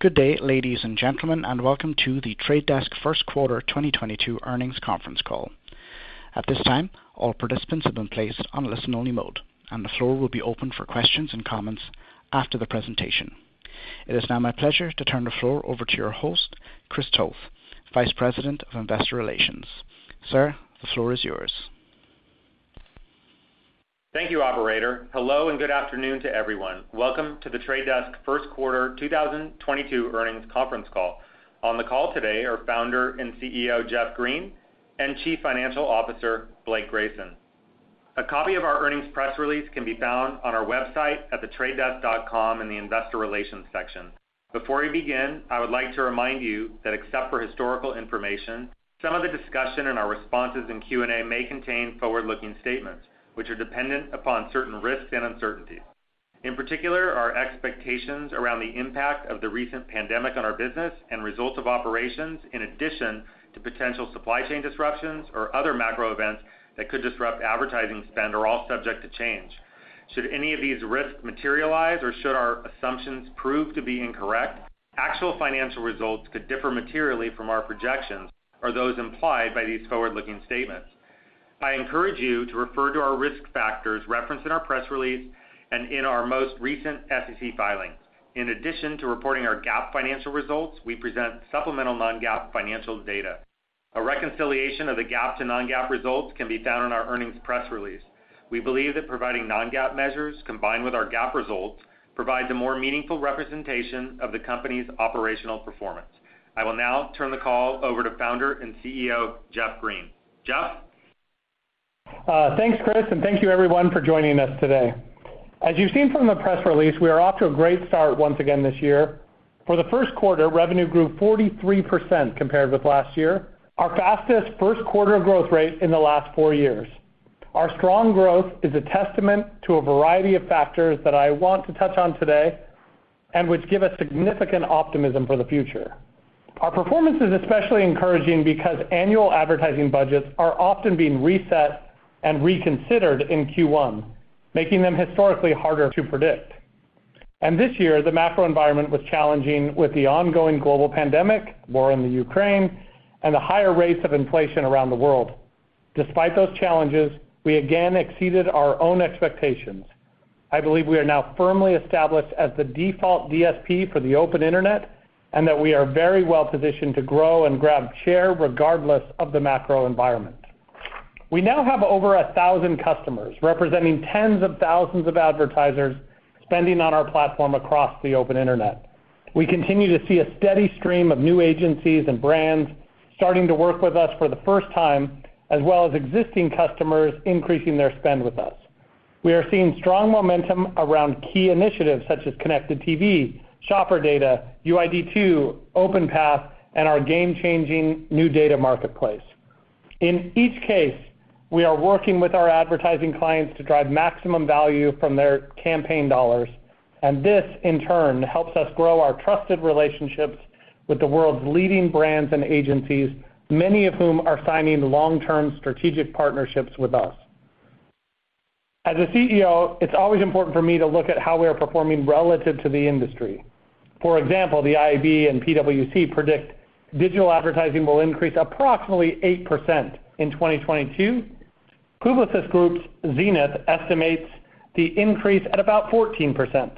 Good day, ladies and gentlemen, and Welcome to The Trade Desk First Quarter 2022 Earnings Conference Call. At this time, all participants have been placed on listen only mode, and the floor will be open for questions and comments after the presentation. It is now my pleasure to turn the floor over to your host, Chris Toth, Vice President of Investor Relations. Sir, the floor is yours. Thank you, Operator. Hello, and good afternoon to everyone. Welcome to The Trade Desk First Quarter 2022 Earnings Conference Call. On the call today are founder and CEO, Jeff Green, and Chief Financial Officer, Blake Grayson. A copy of our earnings press release can be found on our website at thetradedesk.com in the investor relations section. Before we begin, I would like to remind you that except for historical information, some of the discussion and our responses in Q&A may contain forward-looking statements, which are dependent upon certain risks and uncertainties. In particular, our expectations around the impact of the recent pandemic on our business and results of operations, in addition to potential supply chain disruptions or other macro events that could disrupt advertising spend are all subject to change. Should any of these risks materialize or should our assumptions prove to be incorrect, actual financial results could differ materially from our projections or those implied by these forward-looking statements. I encourage you to refer to our risk factors referenced in our press release and in our most recent SEC filings. In addition to reporting our GAAP financial results, we present supplemental non-GAAP financial data. A reconciliation of the GAAP to non-GAAP results can be found in our earnings press release. We believe that providing non-GAAP measures combined with our GAAP results provides a more meaningful representation of the company's operational performance. I will now turn the call over to Founder and CEO, Jeff Green. Jeff? Thanks, Chris, and thank you everyone for joining us today. As you've seen from the press release, we are off to a great start once again this year. For the first quarter, revenue grew 43% compared with last year, our fastest first quarter growth rate in the last four years. Our strong growth is a testament to a variety of factors that I want to touch on today and which give us significant optimism for the future. Our performance is especially encouraging because annual advertising budgets are often being reset and reconsidered in Q1, making them historically harder to predict. This year, the macro environment was challenging with the ongoing global pandemic, war in the Ukraine, and the higher rates of inflation around the world. Despite those challenges, we again exceeded our own expectations. I believe we are now firmly established as the default DSP for the open Internet, and that we are very well-positioned to grow and grab share regardless of the macro environment. We now have over 1,000 customers, representing tens of thousands of advertisers spending on our platform across the open Internet. We continue to see a steady stream of new agencies and brands starting to work with us for the first time, as well as existing customers increasing their spend with us. We are seeing strong momentum around key initiatives such as connected TV, shopper data, UID two, OpenPath, and our game-changing new data marketplace. In each case, we are working with our advertising clients to drive maximum value from their campaign dollars, and this, in turn, helps us grow our trusted relationships with the world's leading brands and agencies, many of whom are signing long-term strategic partnerships with us. As a CEO, it's always important for me to look at how we are performing relative to the industry. For example, the IAB and PwC predict digital advertising will increase approximately 8% in 2022. Publicis Groupe's Zenith estimates the increase at about 14%.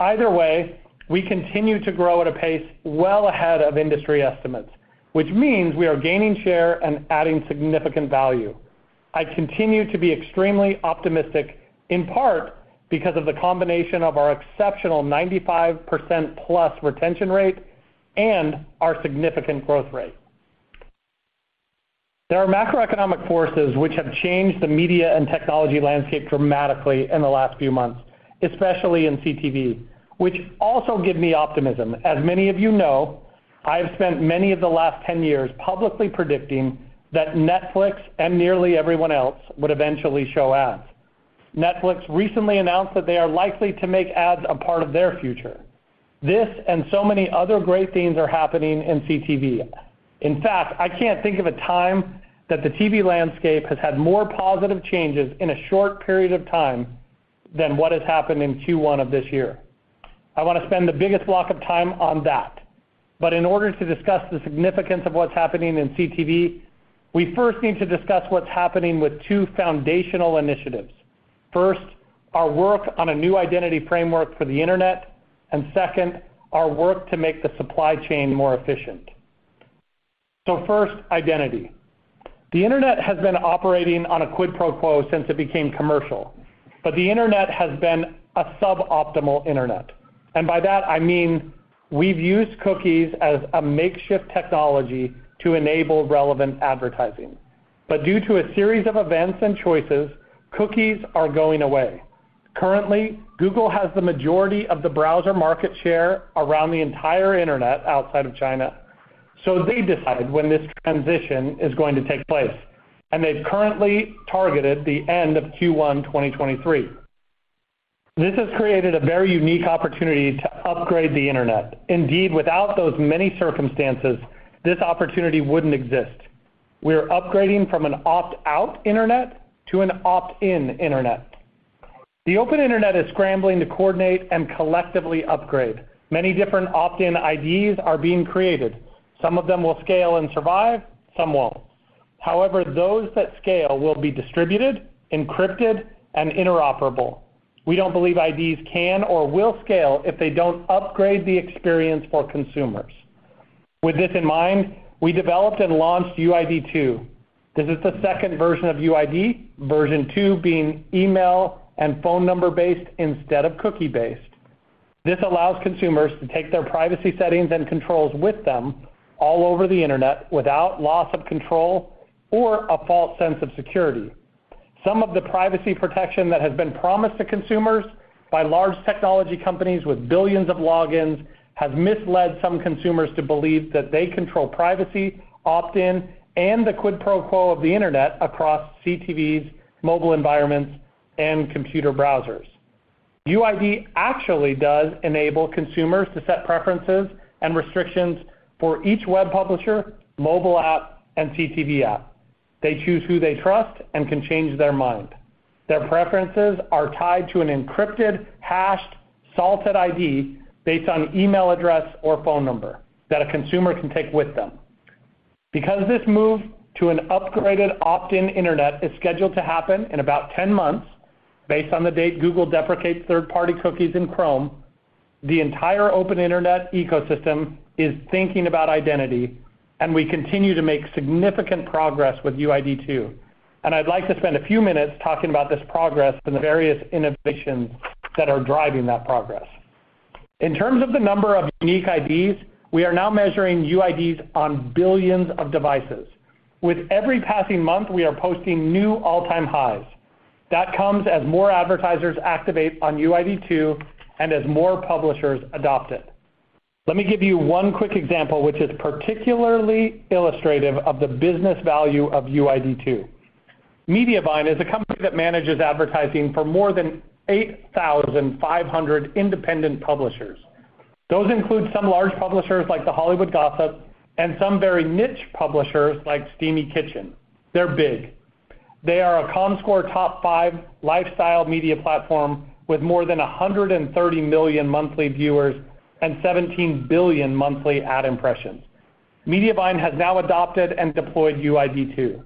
Either way, we continue to grow at a pace well ahead of industry estimates, which means we are gaining share and adding significant value. I continue to be extremely optimistic, in part because of the combination of our exceptional 95%+ retention rate and our significant growth rate. There are macroeconomic forces which have changed the media and technology landscape dramatically in the last few months, especially in CTV, which also give me optimism. As many of you know, I have spent many of the last 10 years publicly predicting that Netflix and nearly everyone else would eventually show ads. Netflix recently announced that they are likely to make ads a part of their future. This and so many other great things are happening in CTV. In fact, I can't think of a time that the TV landscape has had more positive changes in a short period of time than what has happened in Q1 of this year. I wanna spend the biggest block of time on that. In order to discuss the significance of what's happening in CTV, we first need to discuss what's happening with two foundational initiatives. First, our work on a new identity framework for the Internet, and second, our work to make the supply chain more efficient. First, identity. The Internet has been operating on a quid pro quo since it became commercial, but the Internet has been a suboptimal Internet. By that, I mean, we've used cookies as a makeshift technology to enable relevant advertising. Due to a series of events and choices, cookies are going away. Currently, Google has the majority of the browser market share around the entire Internet outside of China, so they decide when this transition is going to take place, and they've currently targeted the end of Q1 2023. This has created a very unique opportunity to upgrade the Internet. Indeed, without those many circumstances, this opportunity wouldn't exist. We are upgrading from an opt-out internet to an opt-in internet. The open internet is scrambling to coordinate and collectively upgrade. Many different opt-in IDs are being created. Some of them will scale and survive, some won't. However, those that scale will be distributed, encrypted, and interoperable. We don't believe IDs can or will scale if they don't upgrade the experience for consumers. With this in mind, we developed and launched UID2. This is the second version of UID, version 2 being email and phone number-based instead of cookie-based. This allows consumers to take their privacy settings and controls with them all over the internet without loss of control or a false sense of security. Some of the privacy protection that has been promised to consumers by large technology companies with billions of logins has misled some consumers to believe that they control privacy, opt-in, and the quid pro quo of the internet across CTVs, mobile environments, and computer browsers. UID actually does enable consumers to set preferences and restrictions for each web publisher, mobile app, and CTV app. They choose who they trust and can change their mind. Their preferences are tied to an encrypted, hashed, salted ID based on email address or phone number that a consumer can take with them. Because this move to an upgraded opt-in internet is scheduled to happen in about 10 months, based on the date Google deprecates third-party cookies in Chrome, the entire open internet ecosystem is thinking about identity, and we continue to make significant progress with UID2. I'd like to spend a few minutes talking about this progress and the various innovations that are driving that progress. In terms of the number of unique IDs, we are now measuring UIDs on billions of devices. With every passing month, we are posting new all-time highs. That comes as more advertisers activate on UID2 and as more publishers adopt it. Let me give you one quick example, which is particularly illustrative of the business value of UID2. Mediavine is a company that manages advertising for more than 8,500 independent publishers. Those include some large publishers like The Hollywood Gossip and some very niche publishers like Steamy Kitchen. They're big. They are a Comscore top five lifestyle media platform with more than 130 million monthly viewers and 17 billion monthly ad impressions. Mediavine has now adopted and deployed UID2.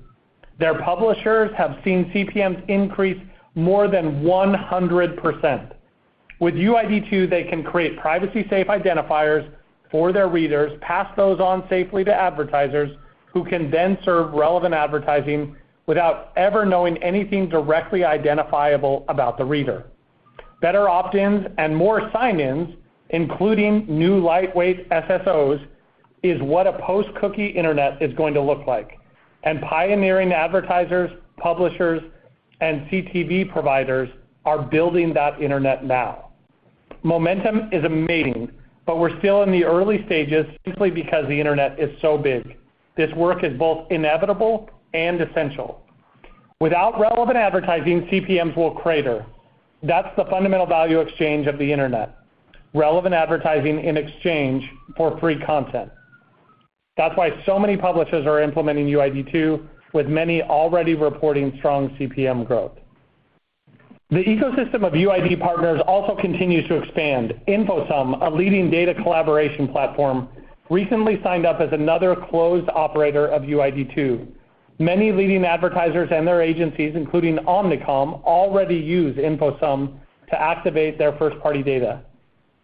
Their publishers have seen CPMs increase more than 100%. With UID2, they can create privacy-safe identifiers for their readers, pass those on safely to advertisers, who can then serve relevant advertising without ever knowing anything directly identifiable about the reader. Better opt-ins and more sign-ins, including new lightweight SSOs, is what a post-cookie internet is going to look like, and pioneering advertisers, publishers, and CTV providers are building that internet now. Momentum is amazing, but we're still in the early stages simply because the internet is so big. This work is both inevitable and essential. Without relevant advertising, CPMs will crater. That's the fundamental value exchange of the internet, relevant advertising in exchange for free content. That's why so many publishers are implementing UID2, with many already reporting strong CPM growth. The ecosystem of UID2 partners also continues to expand. InfoSum, a leading data collaboration platform, recently signed up as another closed operator of UID2. Many leading advertisers and their agencies, including Omnicom, already use InfoSum to activate their first-party data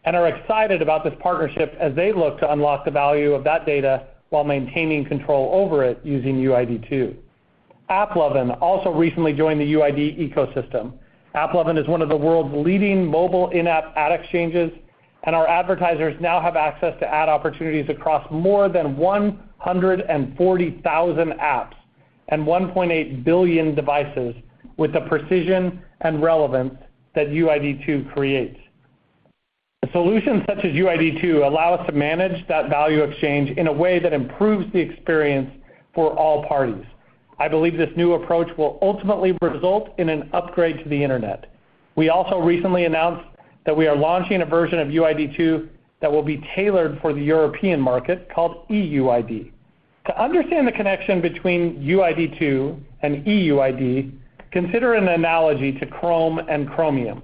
and are excited about this partnership as they look to unlock the value of that data while maintaining control over it using UID2. AppLovin also recently joined the UID2 ecosystem. AppLovin is one of the world's leading mobile in-app ad exchanges, and our advertisers now have access to ad opportunities across more than 140,000 apps and 1.8 billion devices with the precision and relevance that UID2 creates. A solution such as UID2 allow us to manage that value exchange in a way that improves the experience for all parties. I believe this new approach will ultimately result in an upgrade to the internet. We also recently announced that we are launching a version of UID2 that will be tailored for the European market called EUID. To understand the connection between UID2 and EUID, consider an analogy to Chrome and Chromium.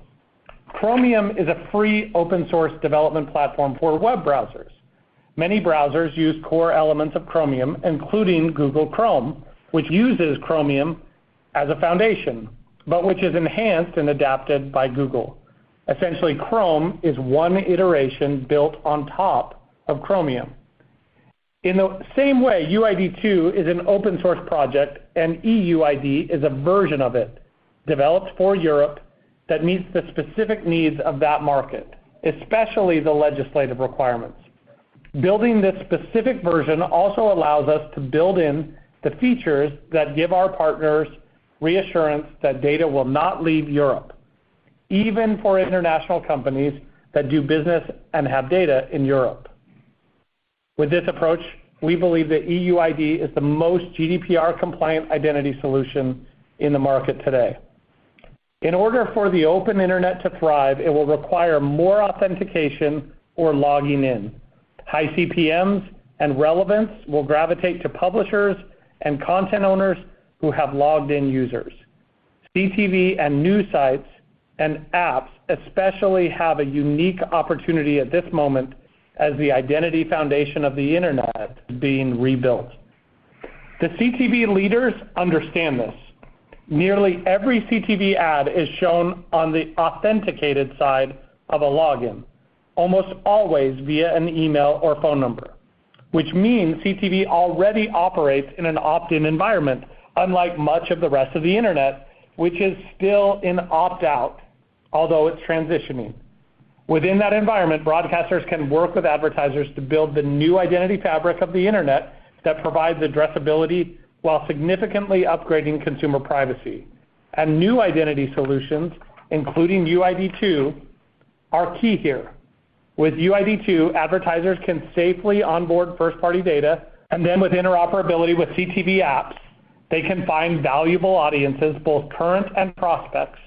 Chromium is a free open source development platform for web browsers. Many browsers use core elements of Chromium, including Google Chrome, which uses Chromium as a foundation, but which is enhanced and adapted by Google. Essentially, Chrome is one iteration built on top of Chromium. In the same way, UID2 is an open source project, and EUID is a version of it developed for Europe that meets the specific needs of that market, especially the legislative requirements. Building this specific version also allows us to build in the features that give our partners reassurance that data will not leave Europe, even for international companies that do business and have data in Europe. With this approach, we believe that EUID is the most GDPR-compliant identity solution in the market today. In order for the open internet to thrive, it will require more authentication for logging in. High CPMs and relevance will gravitate to publishers and content owners who have logged-in users. CTV and news sites and apps especially have a unique opportunity at this moment as the identity foundation of the internet is being rebuilt. The CTV leaders understand this. Nearly every CTV ad is shown on the authenticated side of a login, almost always via an email or phone number, which means CTV already operates in an opt-in environment, unlike much of the rest of the internet, which is still in opt-out, although it's transitioning. Within that environment, broadcasters can work with advertisers to build the new identity fabric of the internet that provides addressability while significantly upgrading consumer privacy. New identity solutions, including UID2, are key here. With UID2, advertisers can safely onboard first-party data, and then with interoperability with CTV apps, they can find valuable audiences, both current and prospects,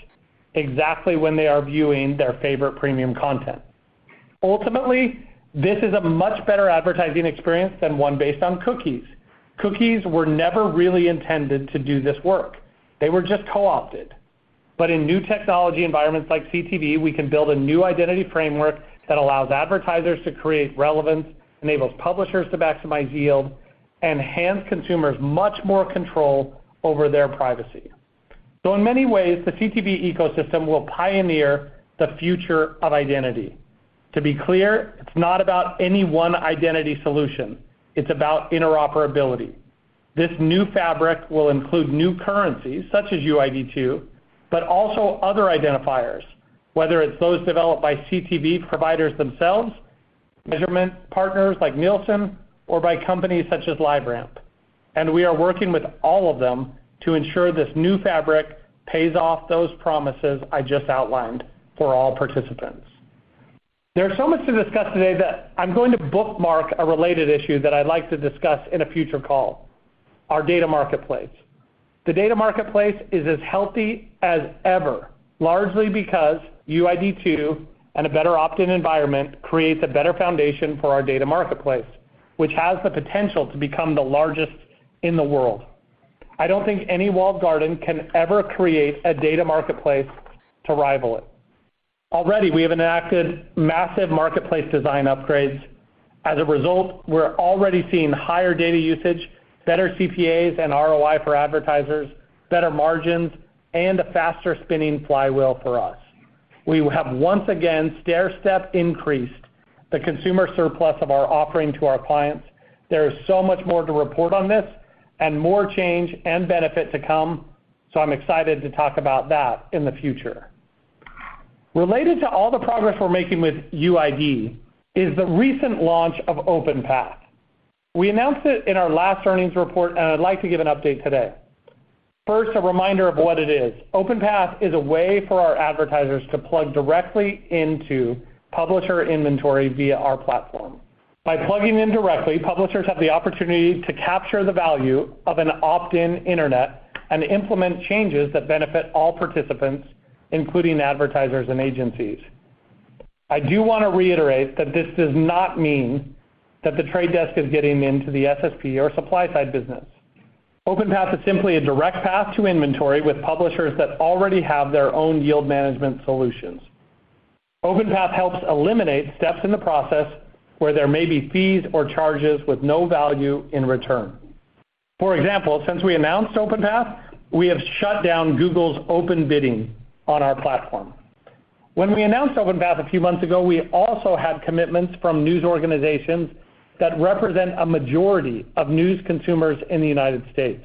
exactly when they are viewing their favorite premium content. Ultimately, this is a much better advertising experience than one based on cookies. Cookies were never really intended to do this work. They were just co-opted. In new technology environments like CTV, we can build a new identity framework that allows advertisers to create relevance, enables publishers to maximize yield, and hands consumers much more control over their privacy. In many ways, the CTV ecosystem will pioneer the future of identity. To be clear, it's not about any one identity solution. It's about interoperability. This new fabric will include new currencies, such as UID2, but also other identifiers, whether it's those developed by CTV providers themselves, measurement partners like Nielsen, or by companies such as LiveRamp. We are working with all of them to ensure this new fabric pays off those promises I just outlined for all participants. There's so much to discuss today that I'm going to bookmark a related issue that I'd like to discuss in a future call, our data marketplace. The data marketplace is as healthy as ever, largely because UID2 and a better opt-in environment creates a better foundation for our data marketplace, which has the potential to become the largest in the world. I don't think any walled garden can ever create a data marketplace to rival it. Already, we have enacted massive marketplace design upgrades. As a result, we're already seeing higher data usage, better CPAs and ROI for advertisers, better margins, and a faster spinning flywheel for us. We have once again stairstep increased the consumer surplus of our offering to our clients. There is so much more to report on this and more change and benefit to come, so I'm excited to talk about that in the future. Related to all the progress we're making with UID is the recent launch of OpenPath. We announced it in our last earnings report, and I'd like to give an update today. First, a reminder of what it is. OpenPath is a way for our advertisers to plug directly into publisher inventory via our platform. By plugging in directly, publishers have the opportunity to capture the value of an opt-in internet and implement changes that benefit all participants, including advertisers and agencies. I do want to reiterate that this does not mean that The Trade Desk is getting into the SSP or supply-side business. OpenPath is simply a direct path to inventory with publishers that already have their own yield management solutions. OpenPath helps eliminate steps in the process where there may be fees or charges with no value in return. For example, since we announced OpenPath, we have shut down Google's Open Bidding on our platform. When we announced OpenPath a few months ago, we also had commitments from news organizations that represent a majority of news consumers in the United States,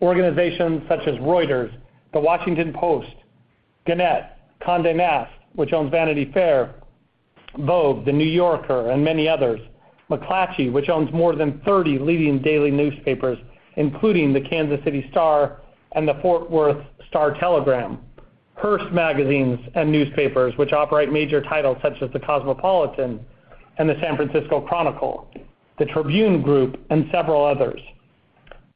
organizations such as Reuters, The Washington Post, Gannett, Condé Nast, which owns Vanity Fair, Vogue, The New Yorker, and many others, McClatchy, which owns more than 30 leading daily newspapers, including The Kansas City Star and the Fort Worth Star-Telegram, Hearst Magazines and Newspapers, which operate major titles such as the Cosmopolitan and the San Francisco Chronicle, Tribune Publishing, and several others.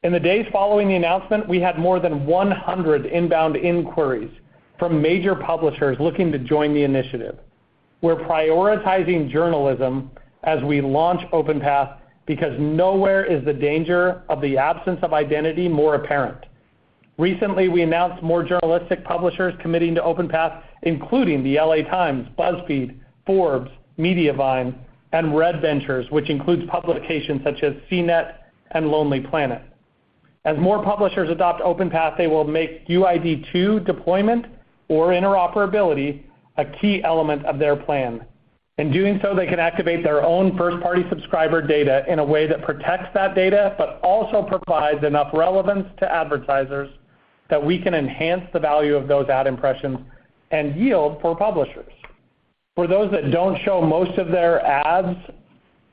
In the days following the announcement, we had more than 100 inbound inquiries from major publishers looking to join the initiative. We're prioritizing journalism as we launch OpenPath because nowhere is the danger of the absence of identity more apparent. Recently, we announced more journalistic publishers committing to OpenPath, including the Los Angeles Times, BuzzFeed, Forbes, Mediavine, and Red Ventures, which includes publications such as CNET and Lonely Planet. As more publishers adopt OpenPath, they will make UID2 deployment or interoperability a key element of their plan. In doing so, they can activate their own first-party subscriber data in a way that protects that data but also provides enough relevance to advertisers that we can enhance the value of those ad impressions and yield for publishers. For those that don't show most of their ads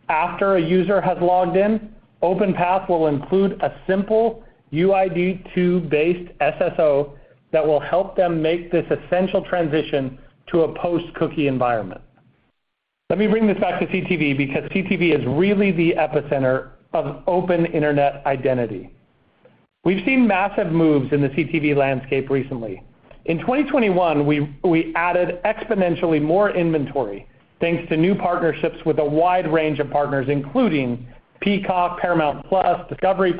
after a user has logged in, OpenPath will include a simple UID2-based SSO that will help them make this essential transition to a post-cookie environment. Let me bring this back to CTV because CTV is really the epicenter of open internet identity. We've seen massive moves in the CTV landscape recently. In 2021, we added exponentially more inventory thanks to new partnerships with a wide range of partners, including Peacock, Paramount+, discovery+,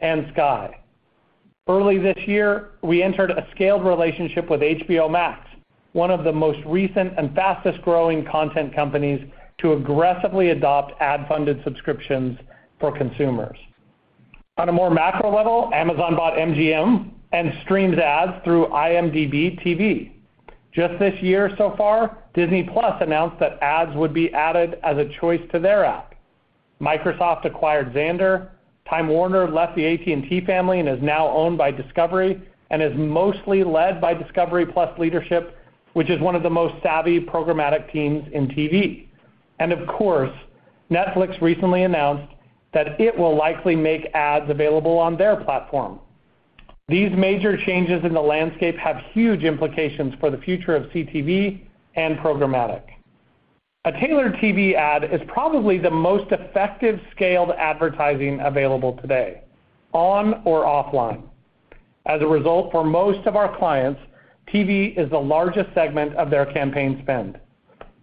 and Sky. Early this year, we entered a scaled relationship with HBO Max, one of the most recent and fastest-growing content companies to aggressively adopt ad-funded subscriptions for consumers. On a more macro level, Amazon bought MGM and streams ads through IMDb TV. Just this year so far, Disney+ announced that ads would be added as a choice to their app. Microsoft acquired Xandr. WarnerMedia left the AT&T family and is now owned by Discovery and is mostly led by discovery+ leadership, which is one of the most savvy programmatic teams in TV. Of course, Netflix recently announced that it will likely make ads available on their platform. These major changes in the landscape have huge implications for the future of CTV and programmatic. A tailored TV ad is probably the most effective scaled advertising available today, on or offline. As a result, for most of our clients, TV is the largest segment of their campaign spend.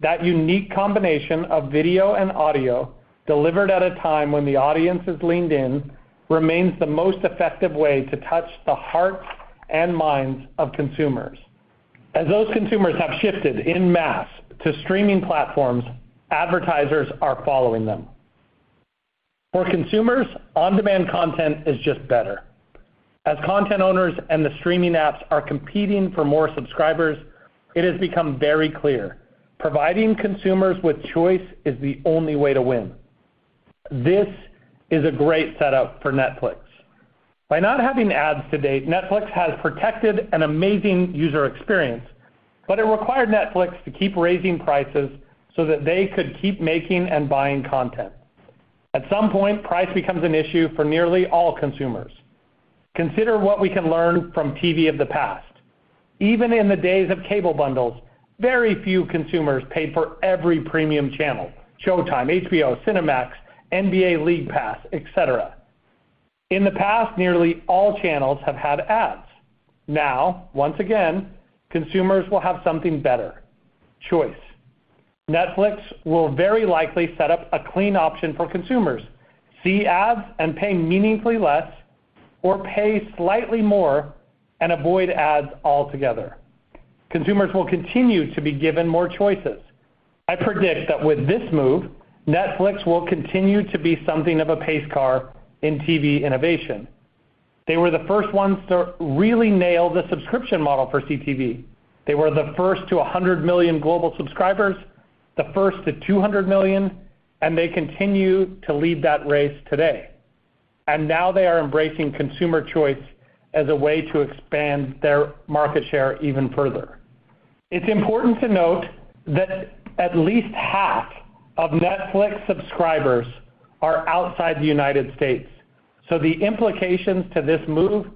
That unique combination of video and audio delivered at a time when the audience is leaned in remains the most effective way to touch the hearts and minds of consumers. As those consumers have shifted en masse to streaming platforms, advertisers are following them. For consumers, on-demand content is just better. As content owners and the streaming apps are competing for more subscribers, it has become very clear providing consumers with choice is the only way to win. This is a great setup for Netflix. By not having ads to date, Netflix has protected an amazing user experience, but it required Netflix to keep raising prices so that they could keep making and buying content. At some point, price becomes an issue for nearly all consumers. Consider what we can learn from TV of the past. Even in the days of cable bundles, very few consumers paid for every premium channel, Showtime, HBO, Cinemax, NBA League Pass, et cetera. In the past, nearly all channels have had ads. Now, once again, consumers will have something better, choice. Netflix will very likely set up a clean option for consumers, see ads and pay meaningfully less or pay slightly more and avoid ads altogether. Consumers will continue to be given more choices. I predict that with this move, Netflix will continue to be something of a pace car in TV innovation. They were the first ones to really nail the subscription model for CTV. They were the first to 100 million global subscribers, the first to 200 million, and they continue to lead that race today. Now they are embracing consumer choice as a way to expand their market share even further. It's important to note that at least half of Netflix subscribers are outside the United States, so the implications to this move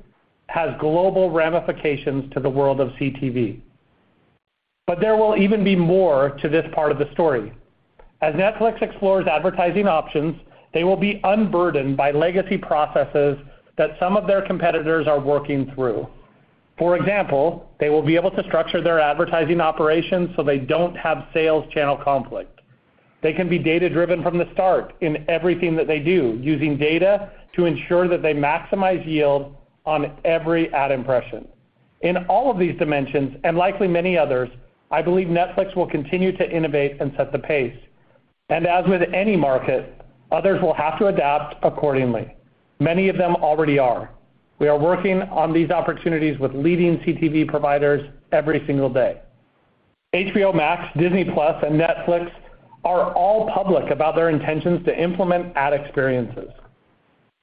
has global ramifications to the world of CTV. There will even be more to this part of the story. As Netflix explores advertising options, they will be unburdened by legacy processes that some of their competitors are working through. For example, they will be able to structure their advertising operations, so they don't have sales channel conflict. They can be data-driven from the start in everything that they do, using data to ensure that they maximize yield on every ad impression. In all of these dimensions and likely many others, I believe Netflix will continue to innovate and set the pace. As with any market, others will have to adapt accordingly. Many of them already are. We are working on these opportunities with leading CTV providers every single day. HBO Max, Disney+, and Netflix are all public about their intentions to implement ad experiences.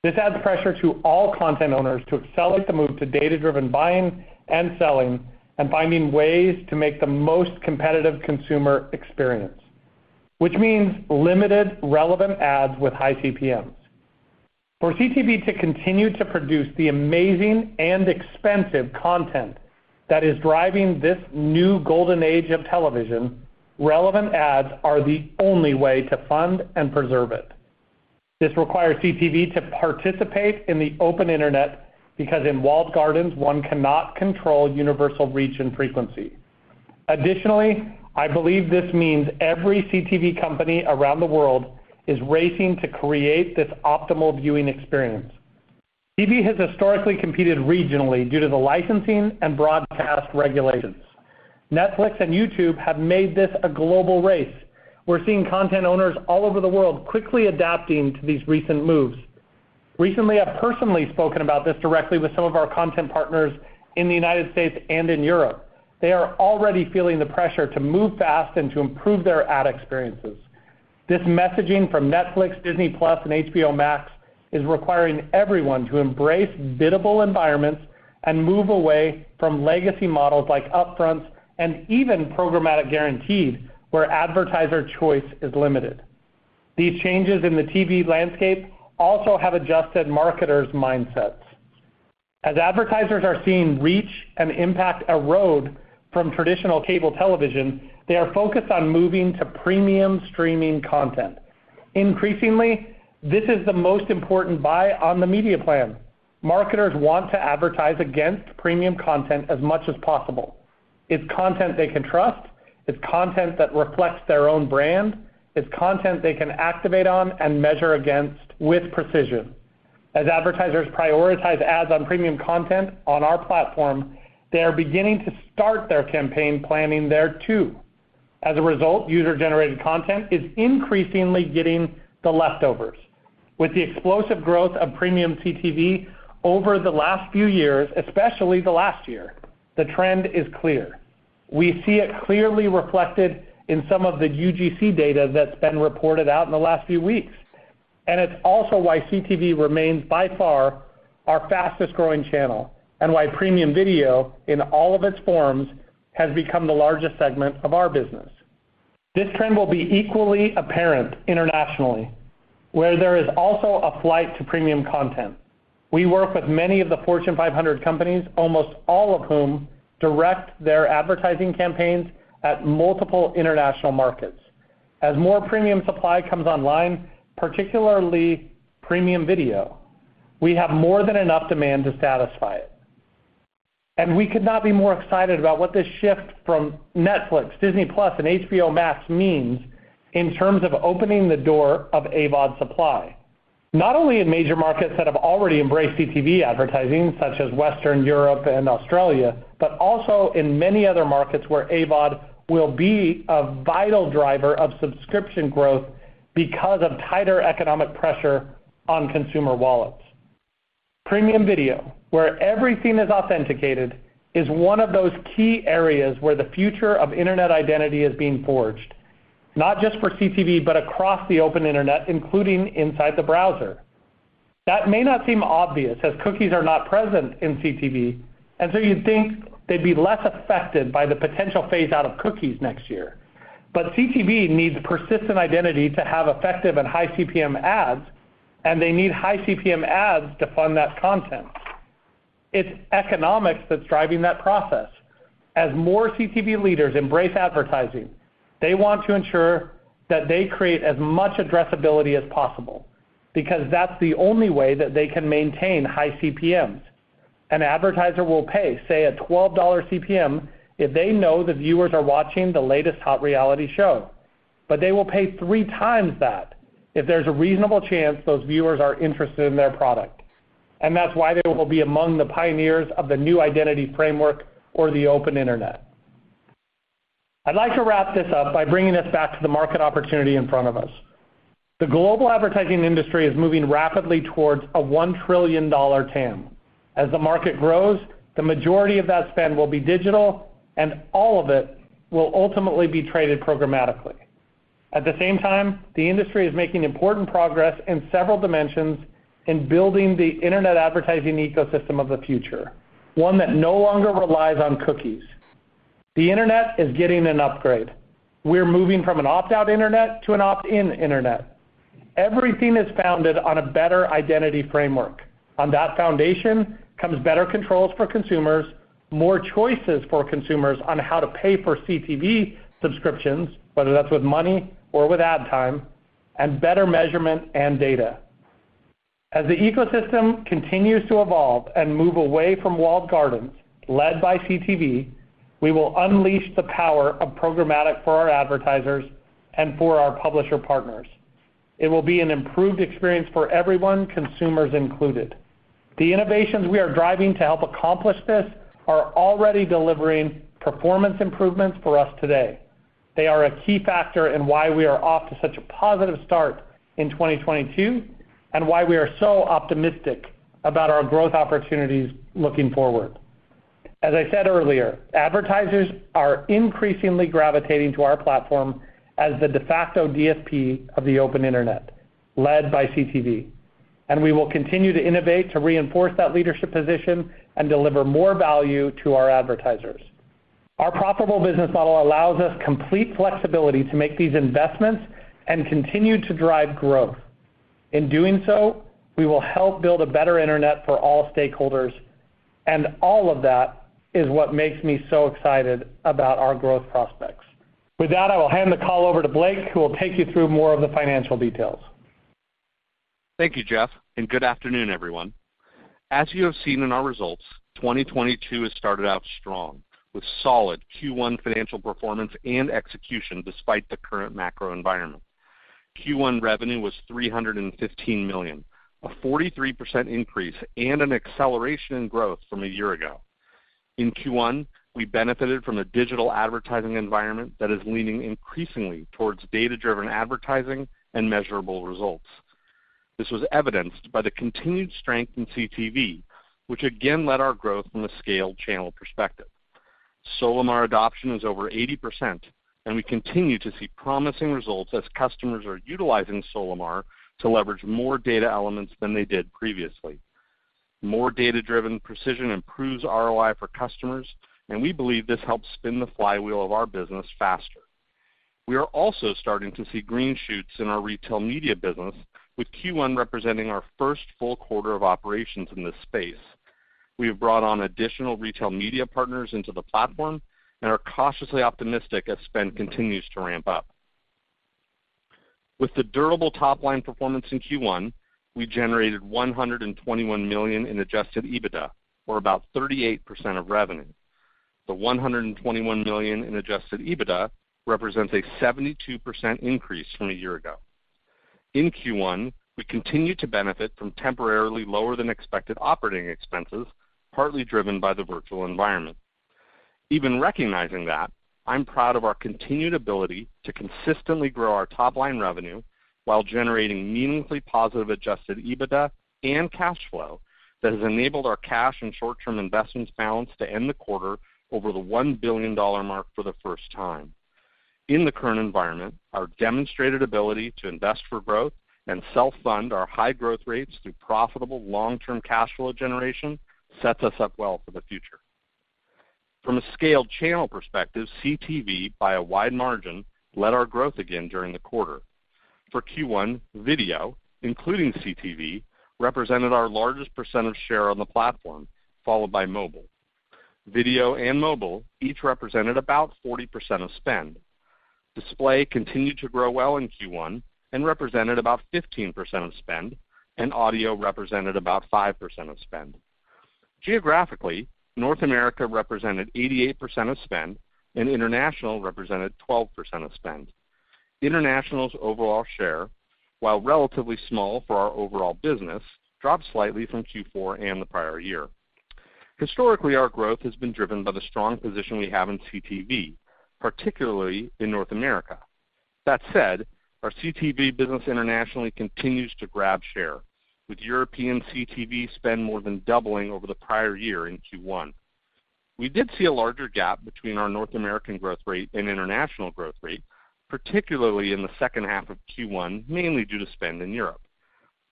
This adds pressure to all content owners to accelerate the move to data-driven buying and selling and finding ways to make the most competitive consumer experience, which means limited relevant ads with high CPMs. For CTV to continue to produce the amazing and expensive content that is driving this new golden age of television, relevant ads are the only way to fund and preserve it. This requires CTV to participate in the open internet because in walled gardens, one cannot control universal reach and frequency. Additionally, I believe this means every CTV company around the world is racing to create this optimal viewing experience. TV has historically competed regionally due to the licensing and broadcast regulations. Netflix and YouTube have made this a global race. We're seeing content owners all over the world quickly adapting to these recent moves. Recently, I've personally spoken about this directly with some of our content partners in the United States and in Europe. They are already feeling the pressure to move fast and to improve their ad experiences. This messaging from Netflix, Disney+, and HBO Max is requiring everyone to embrace biddable environments and move away from legacy models like upfronts and even programmatic guaranteed, where advertiser choice is limited. These changes in the TV landscape also have adjusted marketers' mindsets. As advertisers are seeing reach and impact erode from traditional cable television, they are focused on moving to premium streaming content. Increasingly, this is the most important buy on the media plan. Marketers want to advertise against premium content as much as possible. It's content they can trust. It's content that reflects their own brand. It's content they can activate on and measure against with precision. As advertisers prioritize ads on premium content on our platform, they are beginning to start their campaign planning there too. As a result, user-generated content is increasingly getting the leftovers. With the explosive growth of premium CTV over the last few years, especially the last year, the trend is clear. We see it clearly reflected in some of the UGC data that's been reported out in the last few weeks, and it's also why CTV remains by far our fastest-growing channel, and why premium video in all of its forms has become the largest segment of our business. This trend will be equally apparent internationally, where there is also a flight to premium content. We work with many of the Fortune 500 companies, almost all of whom direct their advertising campaigns at multiple international markets. As more premium supply comes online, particularly premium video, we have more than enough demand to satisfy it. We could not be more excited about what this shift from Netflix, Disney+, and HBO Max means in terms of opening the door of AVOD supply, not only in major markets that have already embraced CTV advertising, such as Western Europe and Australia, but also in many other markets where AVOD will be a vital driver of subscription growth because of tighter economic pressure on consumer wallets. Premium video, where everything is authenticated, is one of those key areas where the future of internet identity is being forged, not just for CTV, but across the open internet, including inside the browser. That may not seem obvious, as cookies are not present in CTV, and so you'd think they'd be less affected by the potential phase-out of cookies next year. CTV needs persistent identity to have effective and high CPM ads, and they need high CPM ads to fund that content. It's economics that's driving that process. As more CTV leaders embrace advertising, they want to ensure that they create as much addressability as possible because that's the only way that they can maintain high CPMs. An advertiser will pay, say, a $12 CPM if they know the viewers are watching the latest hot reality show. They will pay three times that if there's a reasonable chance those viewers are interested in their product, and that's why they will be among the pioneers of the new identity framework or the open internet. I'd like to wrap this up by bringing us back to the market opportunity in front of us. The global advertising industry is moving rapidly towards a $1 trillion TAM. As the market grows, the majority of that spend will be digital, and all of it will ultimately be traded programmatically. At the same time, the industry is making important progress in several dimensions in building the internet advertising ecosystem of the future, one that no longer relies on cookies. The internet is getting an upgrade. We're moving from an opt-out internet to an opt-in internet. Everything is founded on a better identity framework. On that foundation comes better controls for consumers, more choices for consumers on how to pay for CTV subscriptions, whether that's with money or with ad time, and better measurement and data. As the ecosystem continues to evolve and move away from walled gardens, led by CTV, we will unleash the power of programmatic for our advertisers and for our publisher partners. It will be an improved experience for everyone, consumers included. The innovations we are driving to help accomplish this are already delivering performance improvements for us today. They are a key factor in why we are off to such a positive start in 2022, and why we are so optimistic about our growth opportunities looking forward. As I said earlier, advertisers are increasingly gravitating to our platform as the de facto DSP of the open internet led by CTV, and we will continue to innovate to reinforce that leadership position and deliver more value to our advertisers. Our profitable business model allows us complete flexibility to make these investments and continue to drive growth. In doing so, we will help build a better internet for all stakeholders, and all of that is what makes me so excited about our growth prospects. With that, I will hand the call over to Blake, who will take you through more of the financial details. Thank you, Jeff, and good afternoon, everyone. As you have seen in our results, 2022 has started out strong with solid Q1 financial performance and execution despite the current macro environment. Q1 revenue was $315 million, a 43% increase and an acceleration in growth from a year ago. In Q1, we benefited from a digital advertising environment that is leaning increasingly towards data-driven advertising and measurable results. This was evidenced by the continued strength in CTV, which again led our growth from a scaled channel perspective. Solimar adoption is over 80%, and we continue to see promising results as customers are utilizing Solimar to leverage more data elements than they did previously. More data-driven precision improves ROI for customers, and we believe this helps spin the flywheel of our business faster. We are also starting to see green shoots in our retail media business, with Q1 representing our first full quarter of operations in this space. We have brought on additional retail media partners into the platform and are cautiously optimistic as spend continues to ramp up. With the durable top-line performance in Q1, we generated $121 million in adjusted EBITDA, or about 38% of revenue. The $121 million in adjusted EBITDA represents a 72% increase from a year ago. In Q1, we continued to benefit from temporarily lower than expected operating expenses, partly driven by the virtual environment. Even recognizing that, I'm proud of our continued ability to consistently grow our top-line revenue while generating meaningfully positive adjusted EBITDA and cash flow that has enabled our cash and short-term investments balance to end the quarter over the $1 billion mark for the first time. In the current environment, our demonstrated ability to invest for growth and self-fund our high growth rates through profitable long-term cash flow generation sets us up well for the future. From a scaled channel perspective, CTV by a wide margin led our growth again during the quarter. For Q1, video, including CTV, represented our largest percent of share on the platform, followed by mobile. Video and mobile each represented about 40% of spend. Display continued to grow well in Q1 and represented about 15% of spend, and audio represented about 5% of spend. Geographically, North America represented 88% of spend, and international represented 12% of spend. International's overall share, while relatively small for our overall business, dropped slightly from Q4 and the prior year. Historically, our growth has been driven by the strong position we have in CTV, particularly in North America. That said, our CTV business internationally continues to grab share, with European CTV spend more than doubling over the prior year in Q1. We did see a larger gap between our North American growth rate and international growth rate, particularly in the second half of Q1, mainly due to spend in Europe.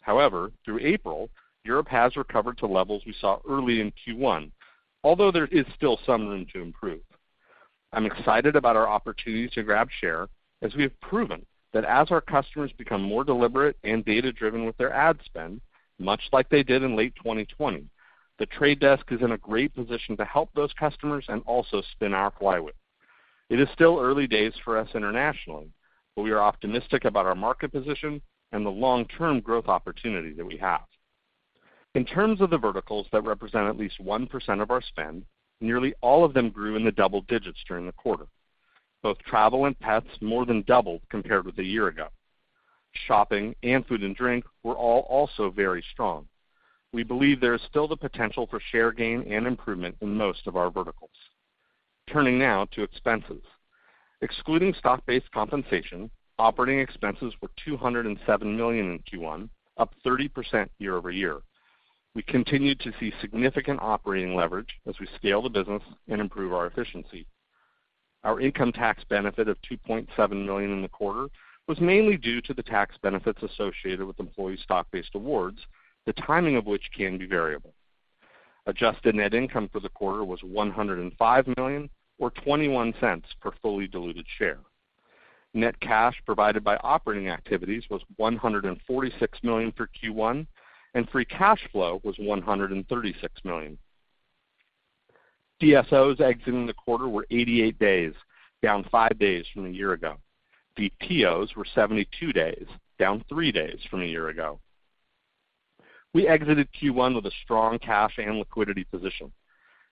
However, through April, Europe has recovered to levels we saw early in Q1, although there is still some room to improve. I'm excited about our opportunities to grab share as we have proven that as our customers become more deliberate and data-driven with their ad spend, much like they did in late 2020, The Trade Desk is in a great position to help those customers and also spin our flywheel. It is still early days for us internationally, but we are optimistic about our market position and the long-term growth opportunity that we have. In terms of the verticals that represent at least 1% of our spend, nearly all of them grew in the double digits during the quarter. Both travel and pets more than doubled compared with a year ago. Shopping and food and drink were all also very strong. We believe there is still the potential for share gain and improvement in most of our verticals. Turning now to expenses. Excluding stock-based compensation, operating expenses were $207 million in Q1, up 30% year-over-year. We continued to see significant operating leverage as we scale the business and improve our efficiency. Our income tax benefit of $2.7 million in the quarter was mainly due to the tax benefits associated with employee stock-based awards, the timing of which can be variable. Adjusted net income for the quarter was $105 million or $0.21 per fully diluted share. Net cash provided by operating activities was $146 million for Q1, and free cash flow was $136 million. DSOs exiting the quarter were 88 days, down 5 days from a year ago. DPOs were 72 days, down 3 days from a year ago. We exited Q1 with a strong cash and liquidity position.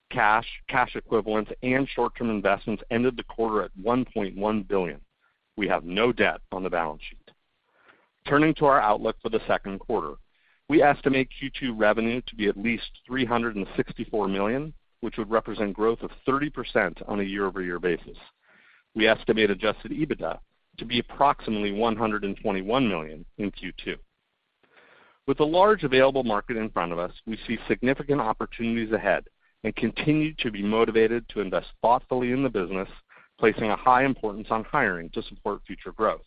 Cash, cash equivalents, and short-term investments ended the quarter at $1.1 billion. We have no debt on the balance sheet. Turning to our outlook for the second quarter, we estimate Q2 revenue to be at least $364 million, which would represent growth of 30% on a year-over-year basis. We estimate adjusted EBITDA to be approximately $121 million in Q2. With the large available market in front of us, we see significant opportunities ahead and continue to be motivated to invest thoughtfully in the business, placing a high importance on hiring to support future growth.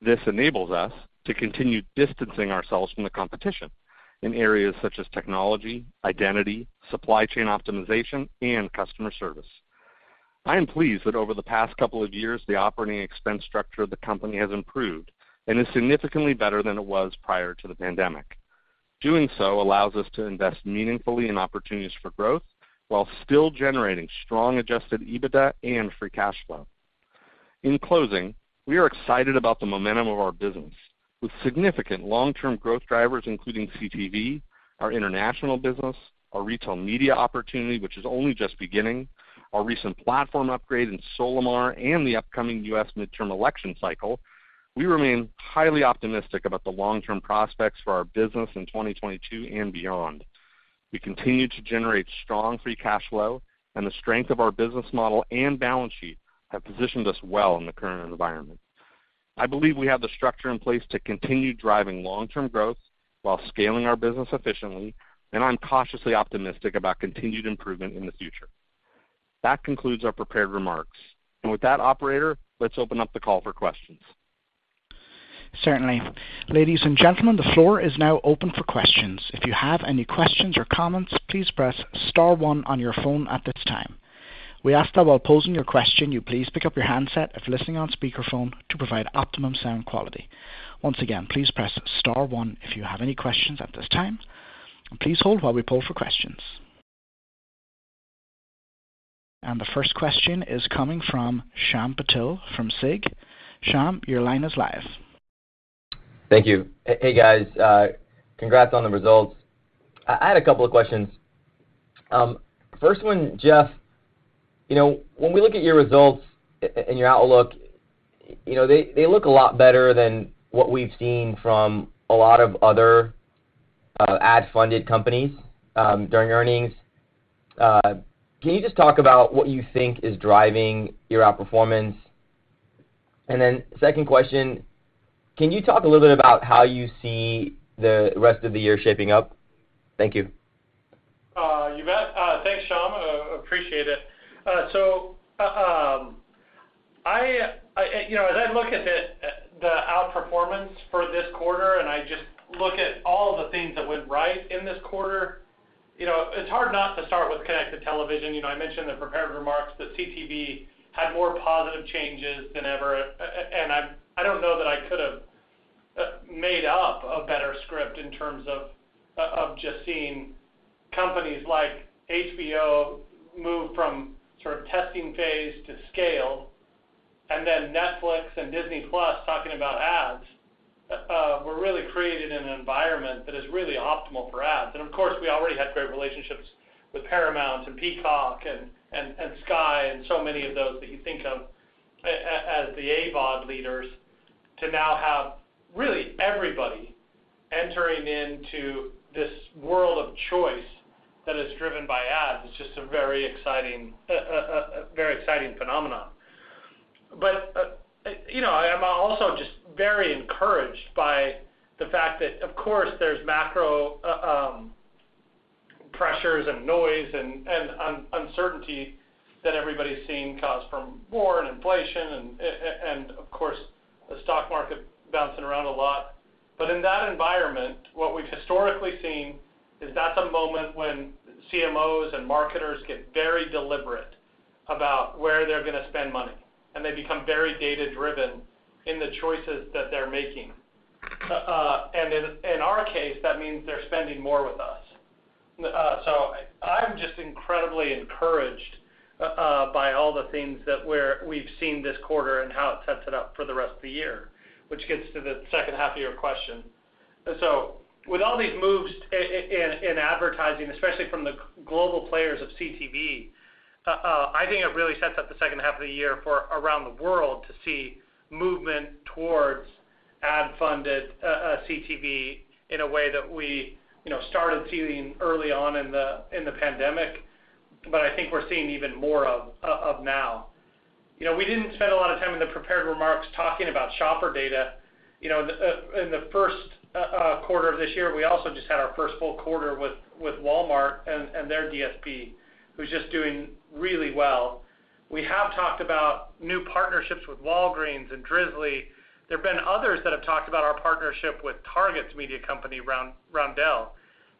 This enables us to continue distancing ourselves from the competition in areas such as technology, identity, supply chain optimization, and customer service. I am pleased that over the past couple of years, the operating expense structure of the company has improved and is significantly better than it was prior to the pandemic. Doing so allows us to invest meaningfully in opportunities for growth while still generating strong adjusted EBITDA and free cash flow. In closing, we are excited about the momentum of our business. With significant long-term growth drivers, including CTV, our international business, our retail media opportunity, which is only just beginning, our recent platform upgrade in Solimar, and the upcoming US midterm election cycle, we remain highly optimistic about the long-term prospects for our business in 2022 and beyond. We continue to generate strong free cash flow, and the strength of our business model and balance sheet have positioned us well in the current environment. I believe we have the structure in place to continue driving long-term growth while scaling our business efficiently, and I'm cautiously optimistic about continued improvement in the future. That concludes our prepared remarks. With that, Operator, let's open up the call for questions. Certainly. Ladies and gentlemen, the floor is now open for questions. If you have any questions or comments, please press star one on your phone at this time. We ask that while posing your question, you please pick up your handset if listening on speakerphone to provide optimum sound quality. Once again, please press star one if you have any questions at this time. Please hold while we poll for questions. The first question is coming from Shyam Patil from Susquehanna. Shyam, your line is live. Thank you. Hey, guys, congrats on the results. I had a couple of questions. First one, Jeff, you know, when we look at your results and your outlook, you know, they look a lot better than what we've seen from a lot of other ad-funded companies during earnings. Can you just talk about what you think is driving your outperformance? Second question, can you talk a little bit about how you see the rest of the year shaping up? Thank you. You bet. Thanks, Shyam. Appreciate it. You know, as I look at the outperformance for this quarter, and I just look at all the things that went right in this quarter, you know, it's hard not to start with connected television. You know, I mentioned in the prepared remarks that CTV had more positive changes than ever. I don't know that I could have made up a better script in terms of just seeing companies like HBO move from sort of testing phase to scale, and then Netflix and Disney Plus talking about ads. We've really created an environment that is really optimal for ads. Of course, we already had great relationships with Paramount and Peacock and Sky and so many of those that you think of as the AVOD leaders to now have really everybody entering into this world of choice that is driven by ads. It's just a very exciting phenomenon. You know, I'm also just very encouraged by the fact that, of course, there's macro pressures and noise and uncertainty that everybody's seeing caused from war and inflation and, of course, the stock market bouncing around a lot. In that environment, what we've historically seen is that's a moment when CMOs and marketers get very deliberate about where they're gonna spend money, and they become very data-driven in the choices that they're making. In our case, that means they're spending more with us. I'm just incredibly encouraged by all the things that we've seen this quarter and how it sets it up for the rest of the year, which gets to the second half of your question. With all these moves in advertising, especially from the global players of CTV, I think it really sets up the second half of the year for around the world to see movement towards ad-funded CTV in a way that we, you know, started seeing early on in the pandemic. I think we're seeing even more of now. You know, we didn't spend a lot of time in the prepared remarks talking about shopper data. You know, in the first quarter of this year, we also just had our first full quarter with Walmart and their DSP, who's just doing really well. We have talked about new partnerships with Walgreens and Drizly. There have been others that have talked about our partnership with Target's media company, Roundel.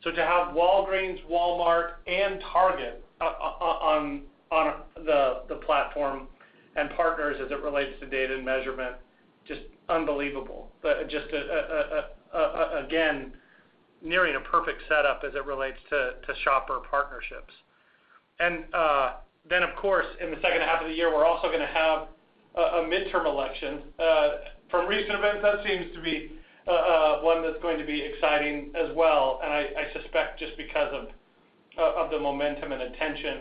To have Walgreens, Walmart and Target on the platform and partners as it relates to data and measurement, just unbelievable. Just again, nearing a perfect setup as it relates to shopper partnerships. Then, of course, in the second half of the year, we're also gonna have a midterm election. From recent events, that seems to be one that's going to be exciting as well. I suspect just because of the momentum and attention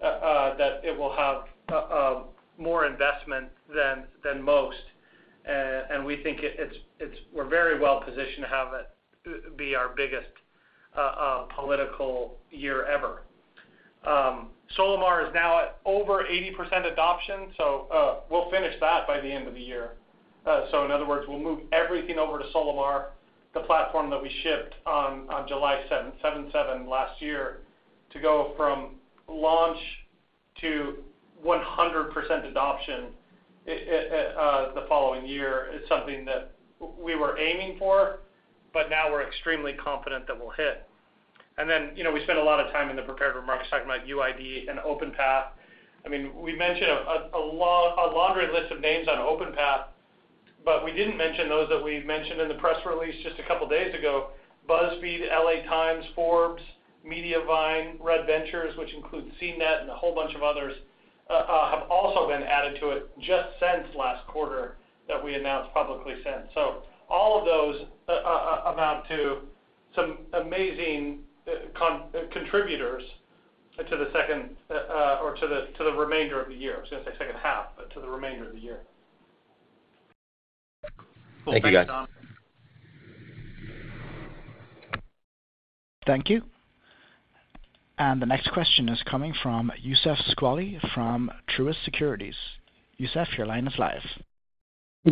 that it will have more investment than most. We think we're very well positioned to have it be our biggest political year ever. Solimar is now at over 80% adoption, so we'll finish that by the end of the year. So in other words, we'll move everything over to Solimar, the platform that we shipped on July 7 last year to go from launch to 100% adoption the following year is something that we were aiming for, but now we're extremely confident that we'll hit. You know, we spent a lot of time in the prepared remarks talking about UID and OpenPath. I mean, we mentioned a laundry list of names on OpenPath, but we didn't mention those that we mentioned in the press release just a couple days ago. BuzzFeed, Los Angeles Times, Forbes, Mediavine, Red Ventures, which includes CNET and a whole bunch of others, have also been added to it just since last quarter that we announced publicly since. All of those amount to some amazing contributors to the second, or to the remainder of the year. I was gonna say second half, but to the remainder of the year. Thank you, guys. Thank you. The next question is coming from Youssef Squali from Truist Securities. Youssef, your line is live.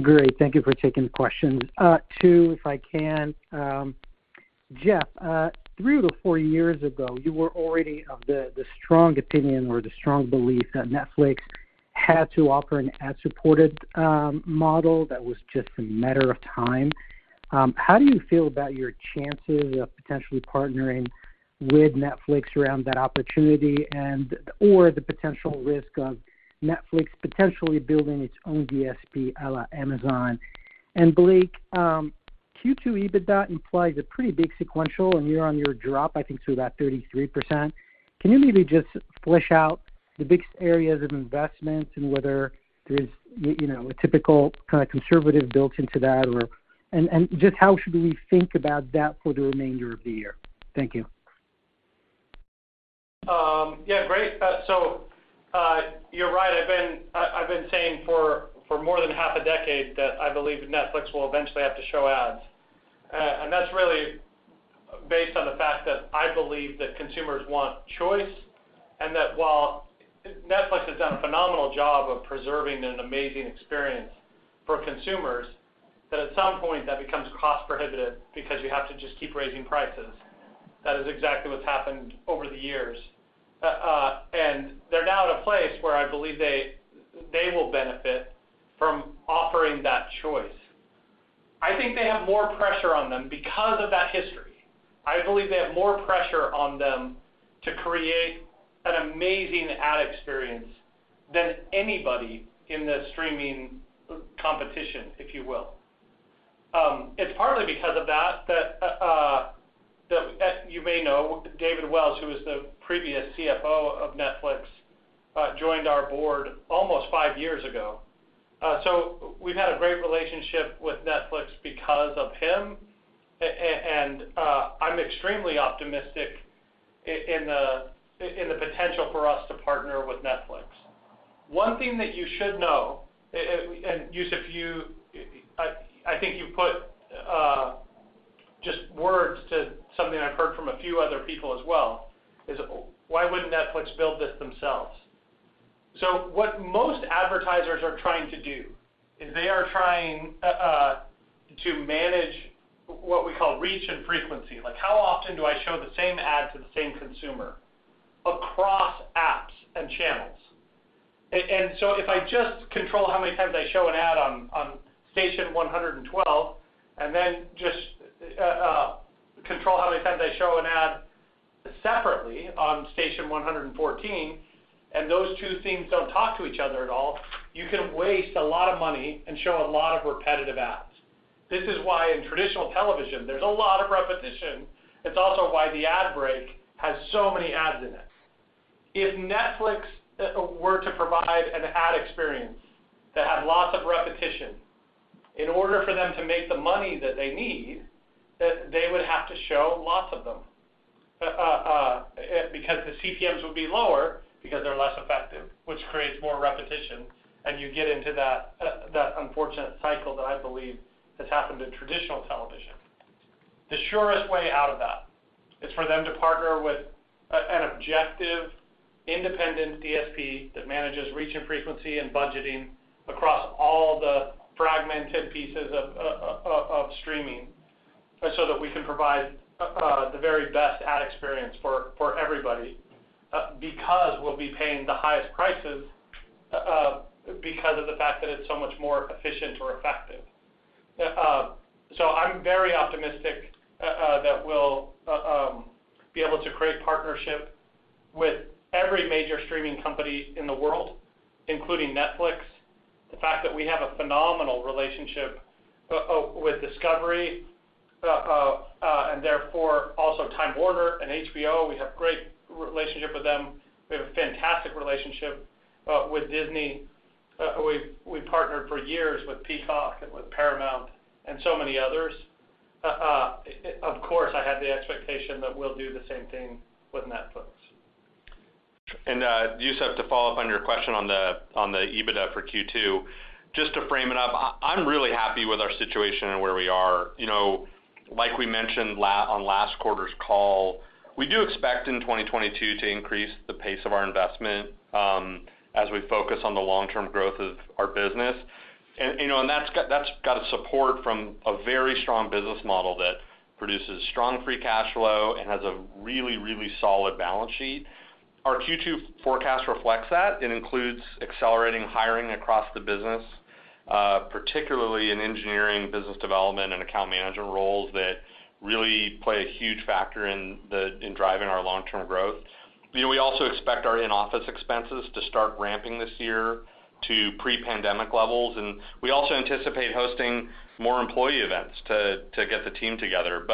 Great. Thank you for taking the questions. Two, if I can. Jeff, 3-4 years ago, you were already of the strong opinion or the strong belief that Netflix had to offer an ad-supported model that was just a matter of time. How do you feel about your chances of potentially partnering with Netflix around that opportunity and/or the potential risk of Netflix potentially building its own DSP a la Amazon? And Blake, Q2 EBITDA implies a pretty big sequential and year-on-year drop, I think to that 33%. Can you maybe just flesh out the biggest areas of investment and whether there's you know, a typical kind of conservative built into that? Just how should we think about that for the remainder of the year? Thank you. Yeah, great. You're right. I've been saying for more than half a decade that I believe Netflix will eventually have to show ads. That's really based on the fact that I believe that consumers want choice, and that while Netflix has done a phenomenal job of preserving an amazing experience for consumers, that at some point that becomes cost prohibitive because you have to just keep raising prices. That is exactly what's happened over the years. They're now at a place where I believe they will benefit from offering that choice. I think they have more pressure on them because of that history. I believe they have more pressure on them to create an amazing ad experience than anybody in the streaming competition, if you will. It's partly because of that you may know David Wells, who was the previous CFO of Netflix, joined our board almost five years ago. We've had a great relationship with Netflix because of him. I'm extremely optimistic in the potential for us to partner with Netflix. One thing that you should know, Youssef, I think you put just words to something I've heard from a few other people as well, is, why wouldn't Netflix build this themselves? What most advertisers are trying to do is they are trying to manage what we call reach and frequency. Like, how often do I show the same ad to the same consumer across apps and channels? If I just control how many times I show an ad on station 112, and then just control how many times I show an ad separately on station 114, and those two things don't talk to each other at all, you can waste a lot of money and show a lot of repetitive ads. This is why in traditional television, there's a lot of repetition. It's also why the ad break has so many ads in it. If Netflix were to provide an ad experience that had lots of repetition, in order for them to make the money that they need, they would have to show lots of them, because the CPMs would be lower because they're less effective, which creates more repetition, and you get into that unfortunate cycle that I believe has happened in traditional television. The surest way out of that is for them to partner with an objective, independent DSP that manages reach and frequency and budgeting across all the fragmented pieces of streaming, so that we can provide the very best ad experience for everybody, because we'll be paying the highest prices, because of the fact that it's so much more efficient or effective. I'm very optimistic that we'll be able to create partnership with every major streaming company in the world, including Netflix. The fact that we have a phenomenal relationship with Discovery, and therefore also Time Warner and HBO, we have great relationship with them. We have a fantastic relationship with Disney. We've partnered for years with Peacock and with Paramount and so many others. Of course, I have the expectation that we'll do the same thing with Netflix. Youssef, to follow up on your question on the EBITDA for Q2, just to frame it up, I'm really happy with our situation and where we are. You know, like we mentioned on last quarter's call, we do expect in 2022 to increase the pace of our investment, as we focus on the long-term growth of our business. You know, and that's got support from a very strong business model that produces strong free cash flow and has a really, really solid balance sheet. Our Q2 forecast reflects that. It includes accelerating hiring across the business, particularly in engineering, business development, and account management roles that really play a huge factor in driving our long-term growth. You know, we also expect our in-office expenses to start ramping this year to pre-pandemic levels, and we also anticipate hosting more employee events to get the team together.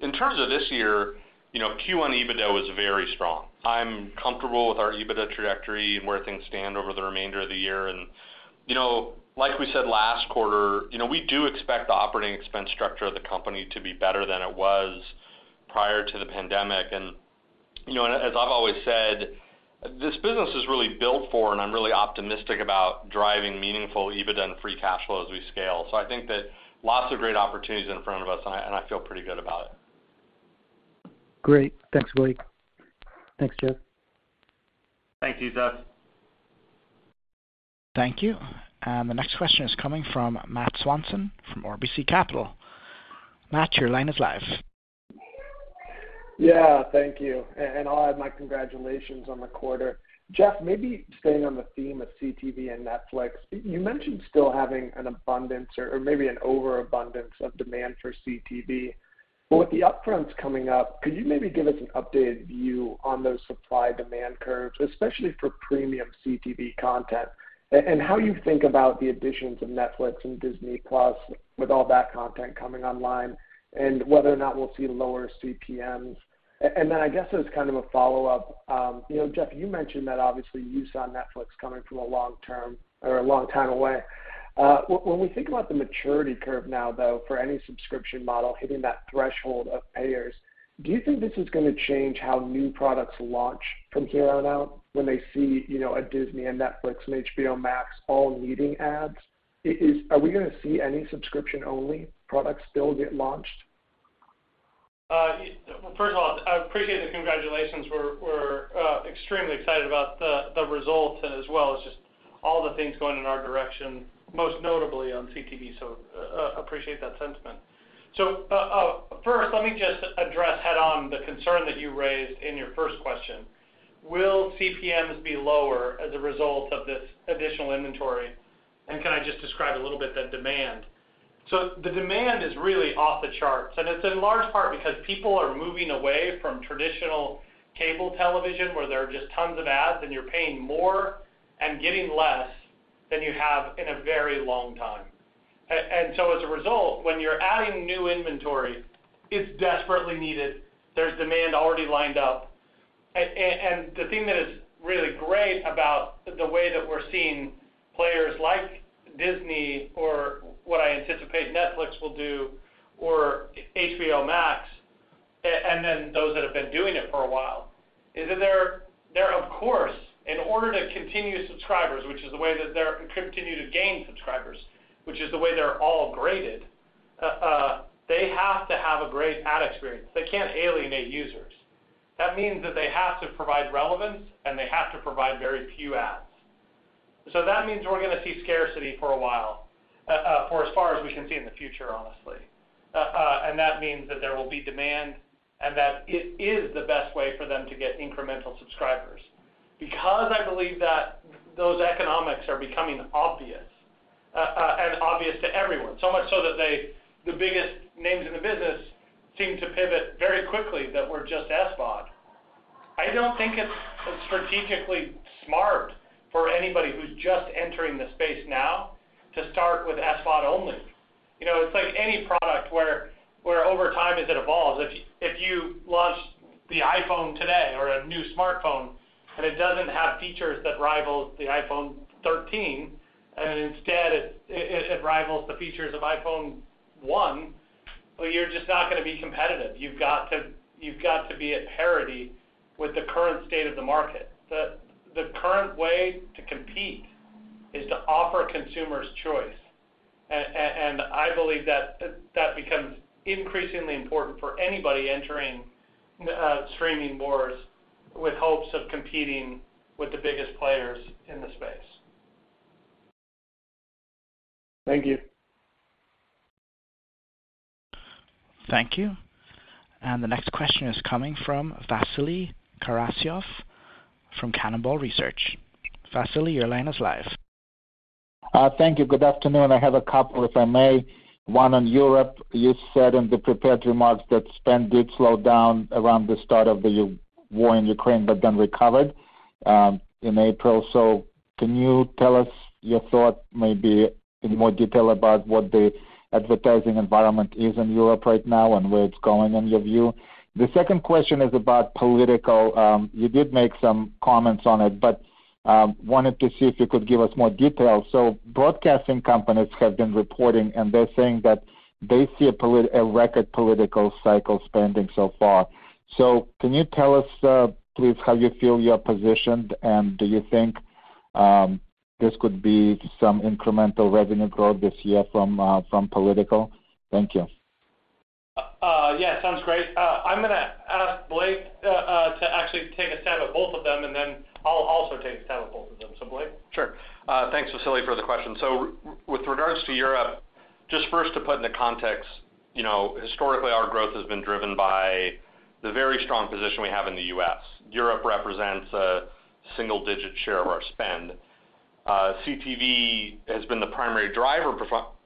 In terms of this year, you know, Q1 EBITDA was very strong. I'm comfortable with our EBITDA trajectory and where things stand over the remainder of the year. You know, like we said last quarter, you know, we do expect the operating expense structure of the company to be better than it was prior to the pandemic. You know, and as I've always said, this business is really built for, and I'm really optimistic about driving meaningful EBITDA and free cash flow as we scale. I think that lots of great opportunities in front of us, and I feel pretty good about it. Great. Thanks, Blake. Thanks, Jeff. Thank you, Youssef. Thank you. The next question is coming from Matt Swanson from RBC Capital. Matt, your line is live. Yeah. Thank you. I'll add my congratulations on the quarter. Jeff, maybe staying on the theme of CTV and Netflix. You mentioned still having an abundance or maybe an overabundance of demand for CTV. With the upfronts coming up, could you maybe give us an updated view on those supply demand curves, especially for premium CTV content? How you think about the additions of Netflix and Disney+ with all that content coming online, and whether or not we'll see lower CPMs. I guess as kind of a follow-up, you know, Jeff, you mentioned that obviously you saw Netflix coming from a long term or a long time away. When we think about the maturity curve now, though, for any subscription model hitting that threshold of payers, do you think this is gonna change how new products launch from here on out when they see, you know, a Disney, a Netflix, an HBO Max all needing ads? Are we gonna see any subscription-only products still get launched? Well, first of all, I appreciate the congratulations. We're extremely excited about the results as well as just all the things going in our direction, most notably on CTV. Appreciate that sentiment. First, let me just address head on the concern that you raised in your first question. Will CPMs be lower as a result of this additional inventory? Can I just describe a little bit the demand? The demand is really off the charts, and it's in large part because people are moving away from traditional cable television, where there are just tons of ads, and you're paying more and getting less than you have in a very long time. As a result, when you're adding new inventory, it's desperately needed. There's demand already lined up. The thing that is really great about the way that we're seeing players like Disney or what I anticipate Netflix will do, or HBO Max, and then those that have been doing it for a while, is that they're, of course, in order to continue to gain subscribers, which is the way they're all graded, they have to have a great ad experience. They can't alienate users. That means that they have to provide relevance, and they have to provide very few ads. So that means we're gonna see scarcity for a while, for as far as we can see in the future, honestly. That means that there will be demand and that it is the best way for them to get incremental subscribers. Because I believe that those economics are becoming obvious and obvious to everyone, so much so that they, the biggest names in the business seem to pivot very quickly that we're just SVOD. I don't think it's strategically smart for anybody who's just entering the space now to start with SVOD only. You know, it's like any product where over time as it evolves, if you launch the iPhone today or a new smartphone, and it doesn't have features that rival the iPhone 13, and instead it rivals the features of iPhone 1, well, you're just not gonna be competitive. You've got to be at parity with the current state of the market. The current way to compete is to offer consumers choice. I believe that becomes increasingly important for anybody entering streaming wars with hopes of competing with the biggest players in the space. Thank you. Thank you. The next question is coming from Vasily Karasyov from Cannonball Research. Vasily, your line is live. Thank you. Good afternoon. I have a couple, if I may. One on Europe. You said in the prepared remarks that spend did slow down around the start of the war in Ukraine, but then recovered in April. Can you tell us your thought, maybe in more detail about what the advertising environment is in Europe right now and where it's going in your view? The second question is about political. You did make some comments on it, but wanted to see if you could give us more detail. Broadcasting companies have been reporting, and they're saying that they see a record political cycle spending so far. Can you tell us, please, how you feel you're positioned, and do you think this could be some incremental revenue growth this year from political? Thank you. Yeah. Sounds great. I'm gonna ask Blake to actually take a stab at both of them, and then I'll also take a stab at both of them. Blake? Thanks, Vasily, for the question. With regards to Europe, just first to put into context, you know, historically, our growth has been driven by the very strong position we have in the U.S. Europe represents a single-digit share of our spend. CTV has been the primary driver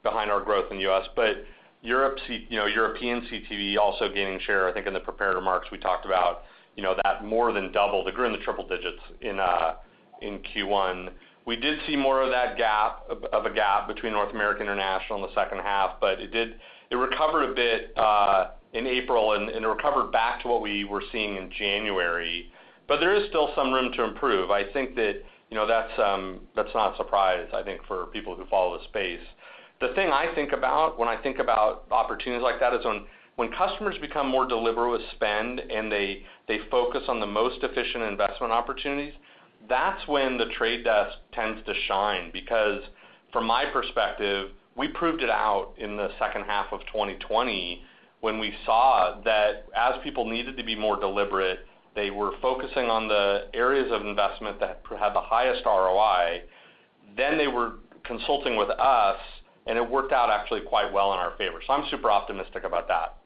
behind our growth in the U.S., but European CTV, you know, also gaining share. I think in the prepared remarks we talked about, you know, that more than doubled, it grew in the triple digits in Q1. We did see more of that gap, of a gap between North America and international in the second half, but it recovered a bit in April, and it recovered back to what we were seeing in January. There is still some room to improve. I think that, you know, that's not a surprise, I think for people who follow the space. The thing I think about when I think about opportunities like that is when customers become more deliberate with spend and they focus on the most efficient investment opportunities, that's when The Trade Desk tends to shine because. From my perspective, we proved it out in the second half of 2020 when we saw that as people needed to be more deliberate, they were focusing on the areas of investment that had the highest ROI. Then they were consulting with us, and it worked out actually quite well in our favor. I'm super optimistic about that.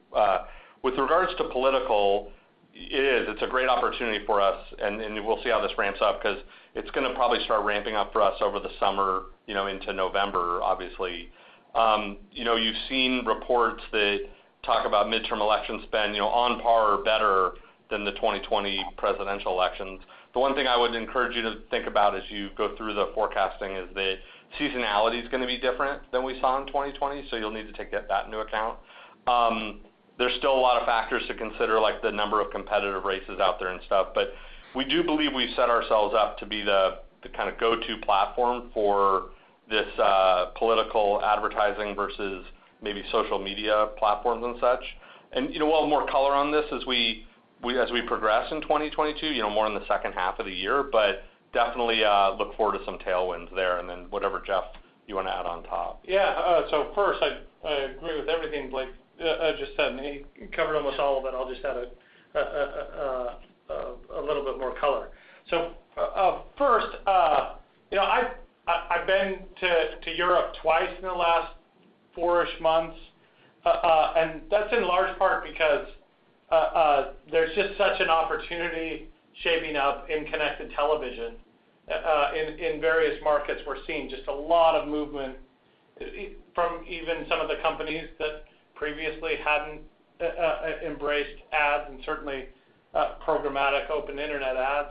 With regards to political, it is. It's a great opportunity for us, and we'll see how this ramps up because it's gonna probably start ramping up for us over the summer, you know, into November, obviously. You know, you've seen reports that talk about midterm election spend, you know, on par or better than the 2020 presidential elections. The one thing I would encourage you to think about as you go through the forecasting is the seasonality is gonna be different than we saw in 2020, so you'll need to take that into account. There's still a lot of factors to consider, like the number of competitive races out there and stuff. We do believe we set ourselves up to be the kind of go-to platform for this political advertising versus maybe social media platforms and such. you know, we'll have more color on this as we progress in 2022, you know, more in the second half of the year. Definitely, look forward to some tailwinds there, and then whatever, Jeff, you wanna add on top. Yeah. First, I agree with everything Blake just said. He covered almost all of it. I'll just add a little bit more color. First, you know, I've been to Europe twice in the last four-ish months, and that's in large part because there's just such an opportunity shaping up in connected television in various markets. We're seeing just a lot of movement from even some of the companies that previously hadn't embraced ads and certainly programmatic open internet ads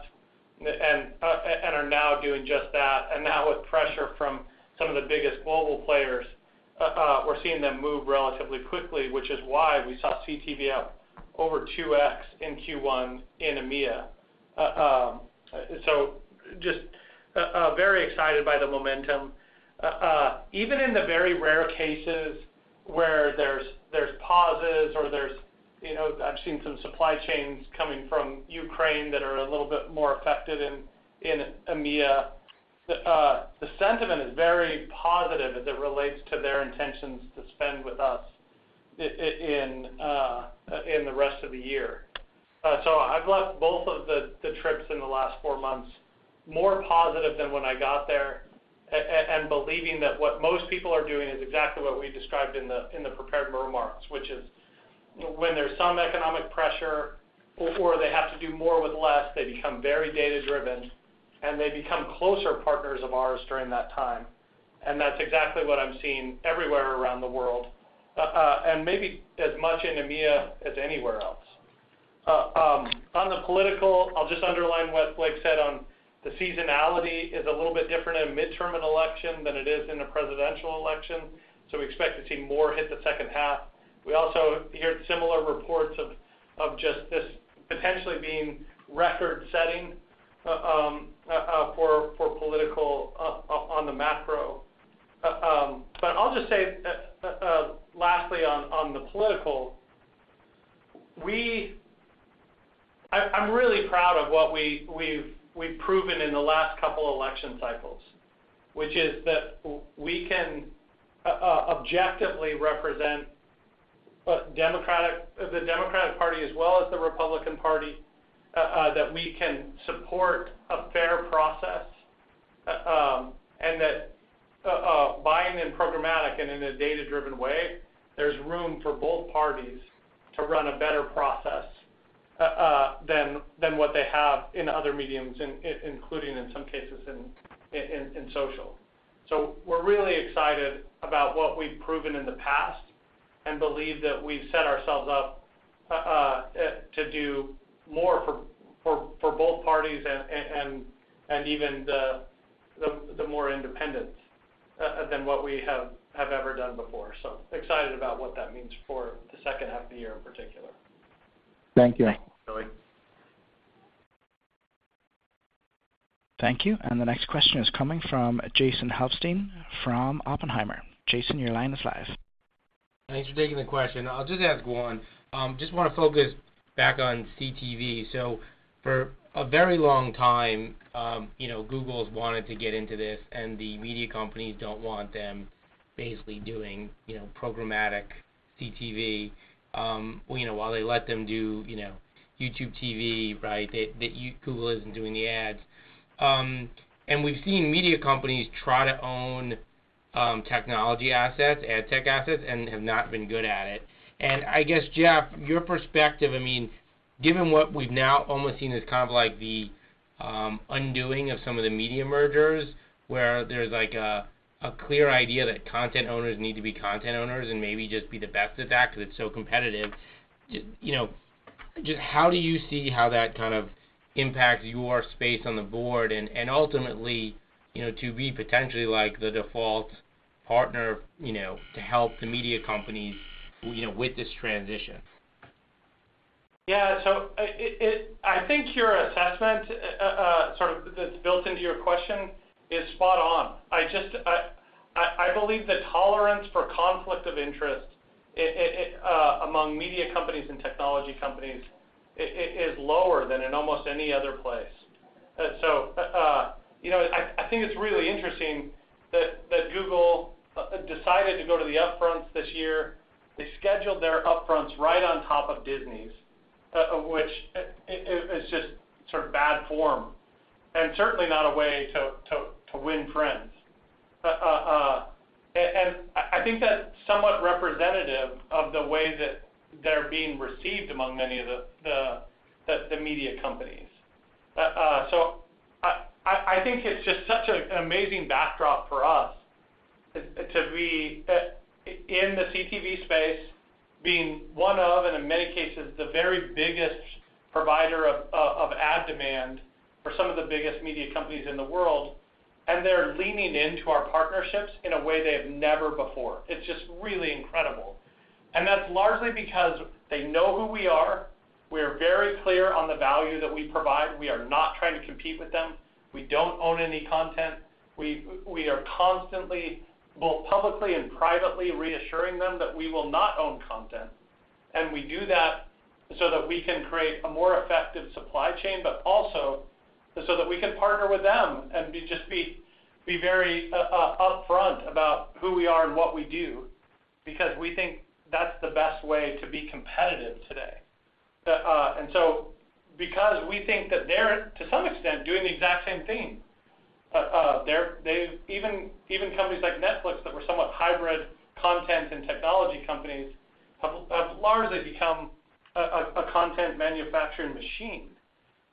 and are now doing just that. Now with pressure from some of the biggest global players, we're seeing them move relatively quickly, which is why we saw CTV up over 2x in Q1 in EMEA. Very excited by the momentum. Even in the very rare cases where there's pauses or there's, you know, I've seen some supply chains coming from Ukraine that are a little bit more affected in EMEA, the sentiment is very positive as it relates to their intentions to spend with us in the rest of the year. I've left both of the trips in the last four months more positive than when I got there and believing that what most people are doing is exactly what we described in the prepared remarks, which is when there's some economic pressure or they have to do more with less, they become very data-driven, and they become closer partners of ours during that time. That's exactly what I'm seeing everywhere around the world, and maybe as much in EMEA as anywhere else. On the political, I'll just underline what Blake said on the seasonality is a little bit different in a midterm election than it is in a presidential election, so we expect to see more hit the second half. We also hear similar reports of just this potentially being record-setting for political on the macro. I'll just say, lastly on the political, I'm really proud of what we've proven in the last couple election cycles, which is that we can objectively represent the Democratic Party as well as the Republican Party, that we can support a fair process, and that buying in programmatic and in a data-driven way, there's room for both parties to run a better process than what they have in other mediums, including in some cases in social. We're really excited about what we've proven in the past and believe that we've set ourselves up to do more for both parties and even more independents than what we have ever done before. excited about what that means for the second half of the year in particular. Thank you. Thanks, Vasily. Thank you. The next question is coming from Jason Helfstein from Oppenheimer. Jason, your line is live. Thanks for taking the question. I'll just ask one. Just wanna focus back on CTV. For a very long time, you know, Google's wanted to get into this, and the media companies don't want them basically doing, you know, programmatic CTV, you know, while they let them do, you know, YouTube TV, right, Google isn't doing the ads. We've seen media companies try to own, technology assets, ad tech assets, and have not been good at it. I guess, Jeff, your perspective, I mean, given what we've now almost seen as kind of like the undoing of some of the media mergers, where there's like a clear idea that content owners need to be content owners and maybe just be the best at that because it's so competitive, you know, just how do you see how that kind of impacts your space on the board and ultimately, you know, to be potentially like the default partner, you know, to help the media companies, you know, with this transition? Yeah. I think your assessment, sort of that's built into your question, is spot on. I believe the tolerance for conflict of interest among media companies and technology companies is lower than in almost any other place. You know, I think it's really interesting that Google decided to go to the upfront this year. They scheduled their upfronts right on top of Disney's, which is just sort of bad form, and certainly not a way to win friends. I think that's somewhat representative of the way that they're being received among many of the media companies. I think it's just such an amazing backdrop for us to be in the CTV space being one of, and in many cases, the very biggest provider of ad demand for some of the biggest media companies in the world, and they're leaning into our partnerships in a way they have never before. It's just really incredible. That's largely because they know who we are. We are very clear on the value that we provide. We are not trying to compete with them. We don't own any content. We are constantly, both publicly and privately, reassuring them that we will not own content, and we do that so that we can create a more effective supply chain, but also so that we can partner with them and be just very upfront about who we are and what we do because we think that's the best way to be competitive today. Because we think that they're, to some extent, doing the exact same thing, they've even companies like Netflix that were somewhat hybrid content and technology companies have largely become a content manufacturing machine.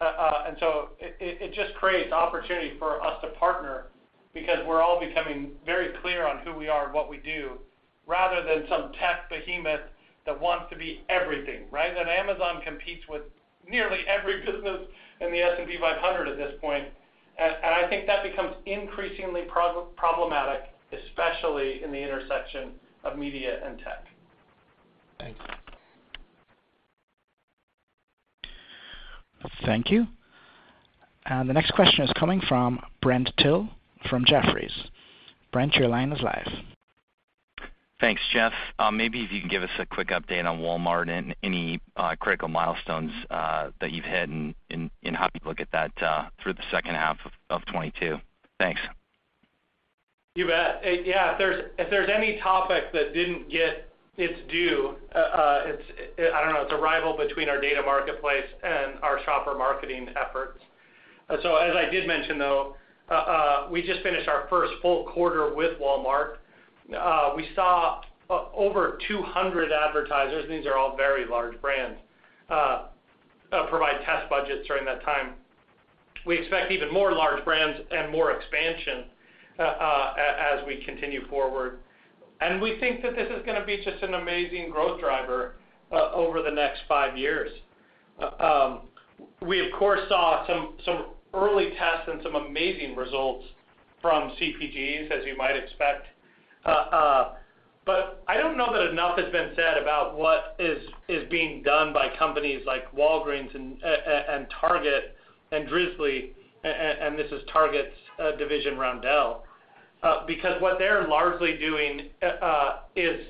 It just creates opportunity for us to partner because we're all becoming very clear on who we are and what we do rather than some tech behemoth that wants to be everything, right? That Amazon competes with nearly every business in the S&P 500 at this point. I think that becomes increasingly problematic, especially in the intersection of media and tech. Thanks. Thank you. The next question is coming from Brent Thill from Jefferies. Brent, your line is live. Thanks, Jeff. Maybe if you can give us a quick update on Walmart and any critical milestones that you've hit and how you look at that through the second half of 2022. Thanks. You bet. If there's any topic that didn't get its due, I don't know, it's a rivalry between our data marketplace and our shopper marketing efforts. As I did mention, though, we just finished our first full quarter with Walmart. We saw over 200 advertisers, these are all very large brands, provide test budgets during that time. We expect even more large brands and more expansion, as we continue forward. We think that this is gonna be just an amazing growth driver, over the next five years. We of course saw some early tests and some amazing results from CPGs, as you might expect. I don't know that enough has been said about what is being done by companies like Walgreens and Target and Drizly and this is Target's division, Roundel. Because what they're largely doing is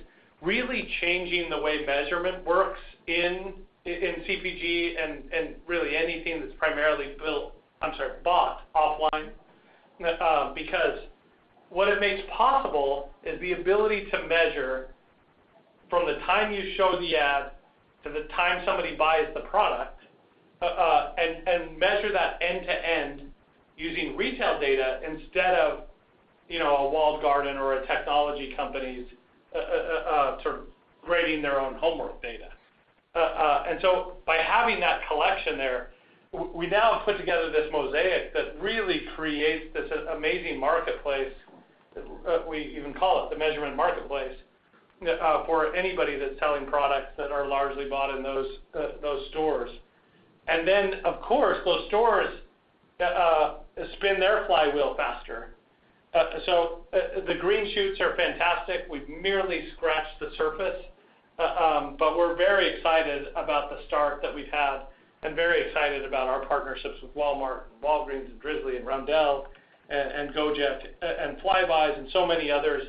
really changing the way measurement works in CPG and really anything that's primarily bought offline. Because what it makes possible is the ability to measure from the time you show the ad to the time somebody buys the product and measure that end to end using retail data instead of, you know, a walled garden or a technology company's sort of grading their own homework data. By having that collection there, we now have put together this mosaic that really creates this amazing marketplace. We even call it the measurement marketplace for anybody that's selling products that are largely bought in those stores. Of course, those stores spin their flywheel faster. The green shoots are fantastic. We've merely scratched the surface. We're very excited about the start that we've had and very excited about our partnerships with Walmart, Walgreens, and Drizly and Roundel and Gopuff and Flybuys and so many others.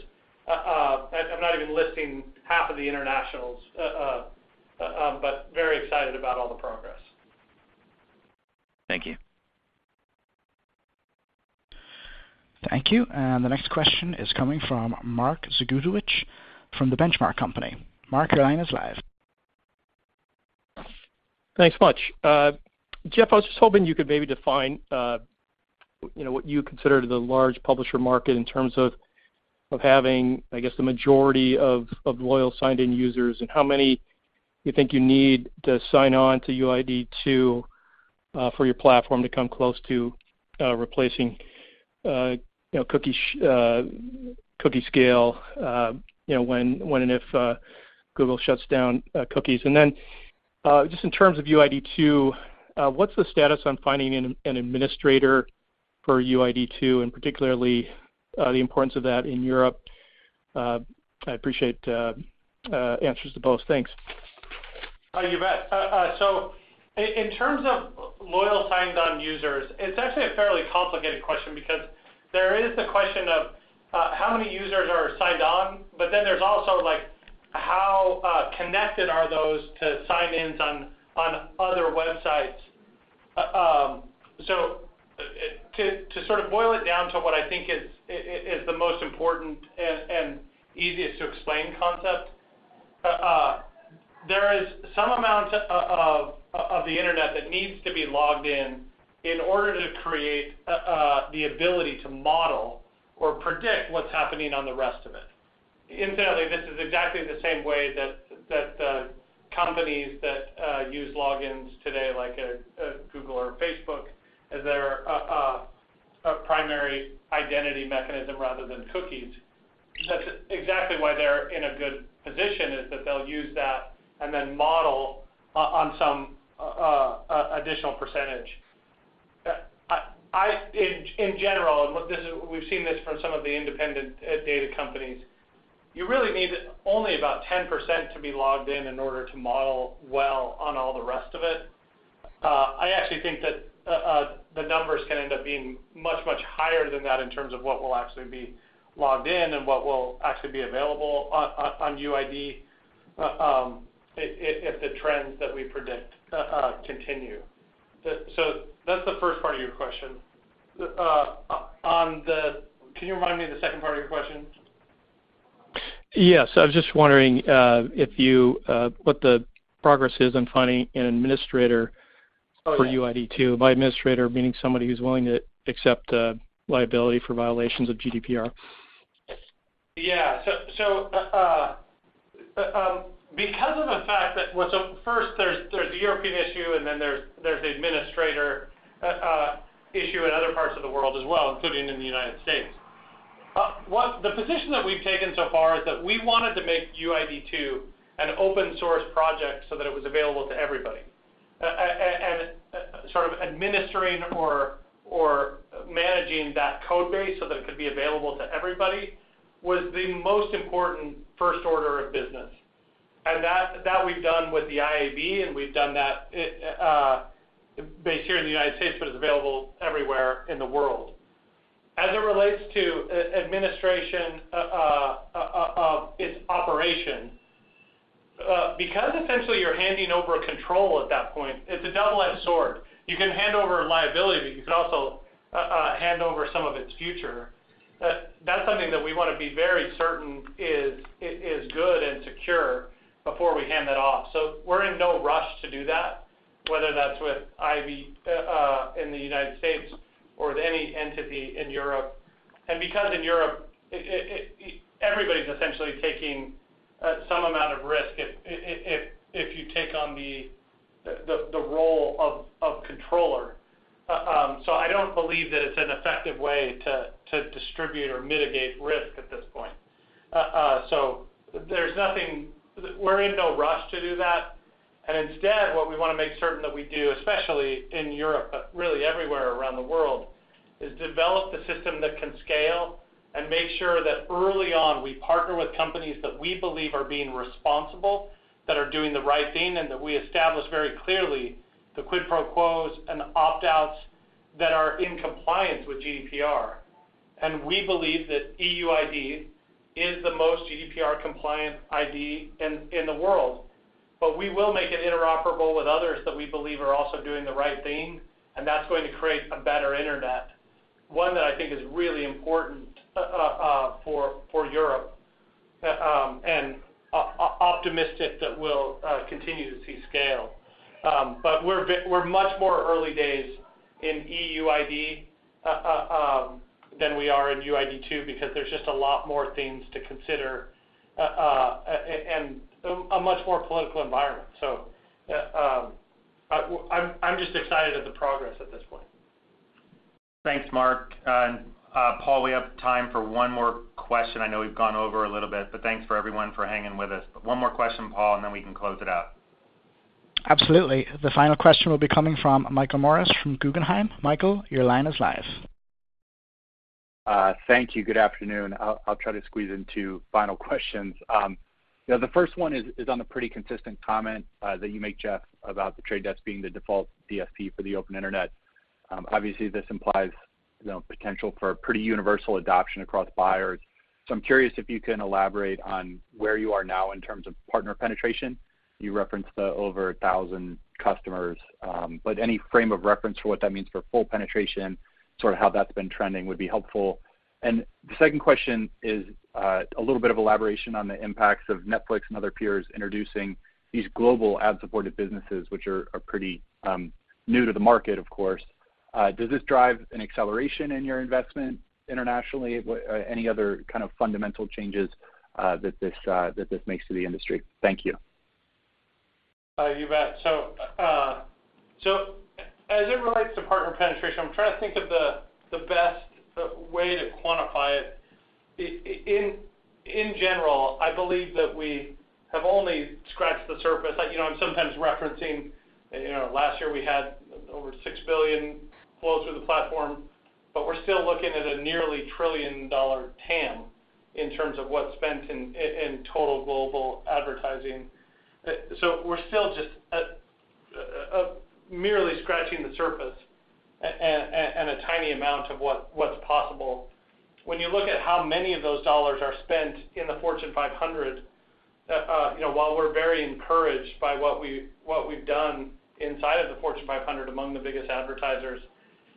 I'm not even listing half of the internationals, but very excited about all the progress. Thank you. Thank you. The next question is coming from Mark Zgutowicz from The Benchmark Company. Mark, your line is live. Thanks much. Jeff, I was just hoping you could maybe define, you know, what you consider the large publisher market in terms of having, I guess, the majority of loyal signed in users, and how many you think you need to sign on to UID2 for your platform to come close to replacing, you know, cookie scale, you know, when and if Google shuts down cookies. Just in terms of UID2, what's the status on finding an administrator for UID2, and particularly the importance of that in Europe? I appreciate answers to both. Thanks. You bet. In terms of loyal signed on users, it's actually a fairly complicated question because there is the question of how many users are signed on, but then there's also like how connected are those to sign-ins on other websites. To sort of boil it down to what I think is the most important and easiest to explain concept, there is some amount of the internet that needs to be logged in in order to create the ability to model or predict what's happening on the rest of it. Incidentally, this is exactly the same way that companies that use logins today, like Google or Facebook as their primary identity mechanism rather than cookies. That's exactly why they're in a good position, is that they'll use that and then model on some additional percentage. In general, we've seen this from some of the independent data companies. You really need only about 10% to be logged in in order to model well on all the rest of it. I actually think that the numbers can end up being much, much higher than that in terms of what will actually be logged in and what will actually be available on UID if the trends that we predict continue. That's the first part of your question. Can you remind me of the second part of your question? Yes. I was just wondering what the progress is on finding an administrator. Oh, yeah. for UID2. By administrator, meaning somebody who's willing to accept liability for violations of GDPR. First there's the European issue, and then there's the administration issue in other parts of the world as well, including in the United States. The position that we've taken so far is that we wanted to make UID2 an open source project so that it was available to everybody. Sort of administering or managing that code base so that it could be available to everybody was the most important first order of business. That we've done with the IAB, and we've done that based here in the United States, but it's available everywhere in the world. As it relates to administration of its operation, because essentially you're handing over control at that point, it's a double-edged sword. You can hand over liability, you can also hand over some of its future. That's something that we wanna be very certain is good and secure before we hand that off. We're in no rush to do that, whether that's with IAB in the United States or with any entity in Europe. Because in Europe, everybody's essentially taking some amount of risk if you take on the role of controller. I don't believe that it's an effective way to distribute or mitigate risk at this point. We're in no rush to do that. Instead, what we wanna make certain that we do, especially in Europe, but really everywhere around the world, is develop the system that can scale and make sure that early on, we partner with companies that we believe are being responsible, that are doing the right thing, and that we establish very clearly the quid pro quos and opt-outs that are in compliance with GDPR. We believe that EUID is the most GDPR compliant ID in the world. We will make it interoperable with others that we believe are also doing the right thing, and that's going to create a better Internet, one that I think is really important for Europe, and optimistic that we'll continue to see scale. We're much more early days in EUID than we are in UID2 because there's just a lot more things to consider, and a much more political environment. I'm just excited at the progress at this point. Thanks, Mark. Paul, we have time for one more question. I know we've gone over a little bit, but thanks for everyone for hanging with us. One more question, Paul, and then we can close it out. Absolutely. The final question will be coming from Michael Morris from Guggenheim. Michael, your line is live. Thank you. Good afternoon. I'll try to squeeze in two final questions. The first one is on the pretty consistent comment that you make, Jeff, about The Trade Desk being the default DSP for the open Internet. Obviously this implies, you know, potential for pretty universal adoption across buyers. So I'm curious if you can elaborate on where you are now in terms of partner penetration. You referenced the over 1,000 customers, but any frame of reference for what that means for full penetration, sort of how that's been trending would be helpful. The second question is a little bit of elaboration on the impacts of Netflix and other peers introducing these global ad-supported businesses, which are pretty new to the market, of course. Does this drive an acceleration in your investment internationally? Any other kind of fundamental changes that this makes to the industry? Thank you. You bet. As it relates to partner penetration, I'm trying to think of the best way to quantify it. In general, I believe that we have only scratched the surface. You know, I'm sometimes referencing, you know, last year we had over $6 billion flow through the platform, but we're still looking at a nearly $1 trillion TAM in terms of what's spent in total global advertising. We're still just at merely scratching the surface and a tiny amount of what's possible. When you look at how many of those dollars are spent in the Fortune 500, you know, while we're very encouraged by what we've done inside of the Fortune 500 among the biggest advertisers,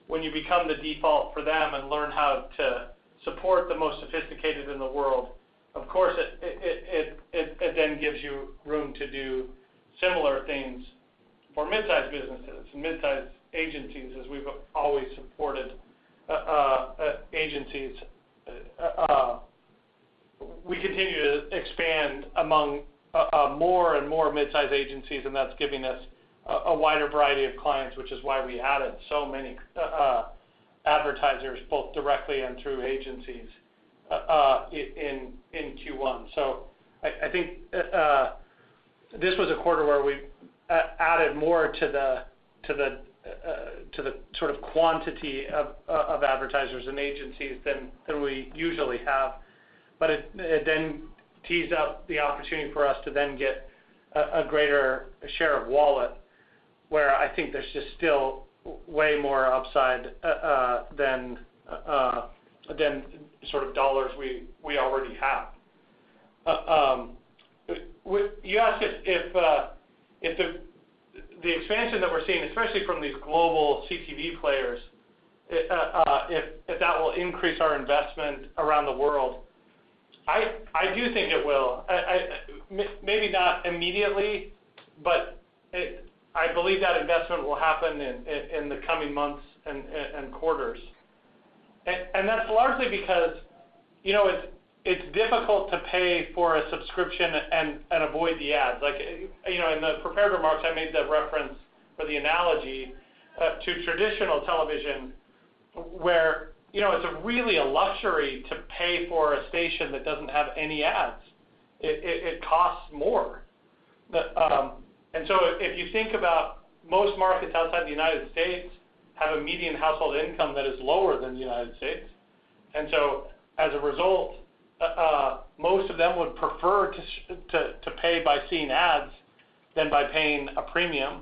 when you become the default for them and learn how to support the most sophisticated in the world, of course, it then gives you room to do similar things for mid-sized businesses and mid-sized agencies, as we've always supported agencies. We continue to expand among more and more mid-sized agencies, and that's giving us a wider variety of clients, which is why we added so many advertisers, both directly and through agencies, in Q1. I think this was a quarter where we added more to the sort of quantity of advertisers and agencies than we usually have. It then tees up the opportunity for us to then get a greater share of wallet, where I think there's just still way more upside than sort of dollars we already have. You asked if the expansion that we're seeing, especially from these global CTV players, if that will increase our investment around the world. I do think it will. Maybe not immediately, but I believe that investment will happen in the coming months and quarters. That's largely because, you know, it's difficult to pay for a subscription and avoid the ads. Like, you know, in the prepared remarks, I made the reference or the analogy to traditional television where, you know, it's really a luxury to pay for a station that doesn't have any ads. It costs more. If you think about most markets outside the United States have a median household income that is lower than the United States. As a result, most of them would prefer to pay by seeing ads than by paying a premium,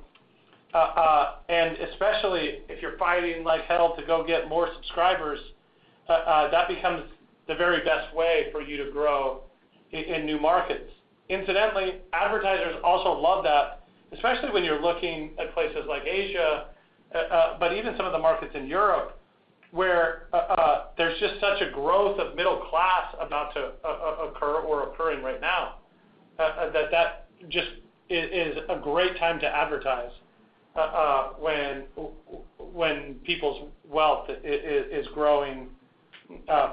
and especially if you're fighting like hell to go get more subscribers, that becomes the very best way for you to grow in new markets. Incidentally, advertisers also love that, especially when you're looking at places like Asia, but even some of the markets in Europe, where there's just such a growth of middle class about to occur or occurring right now, that just is a great time to advertise, when people's wealth is growing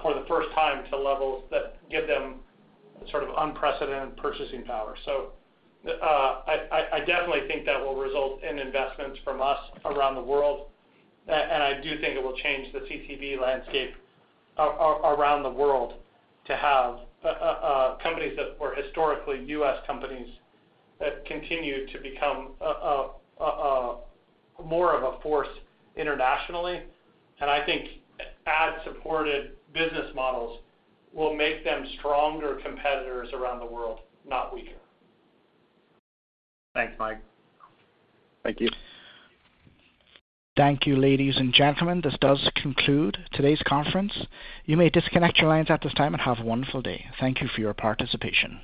for the first time to levels that give them sort of unprecedented purchasing power. I definitely think that will result in investments from us around the world, and I do think it will change the CTV landscape around the world to have companies that were historically U.S. companies that continue to become more of a force internationally. I think ad-supported business models will make them stronger competitors around the world, not weaker. Thanks, Mike. Thank you. Thank you, ladies and gentlemen. This does conclude today's conference. You may disconnect your lines at this time and have a wonderful day. Thank you for your participation.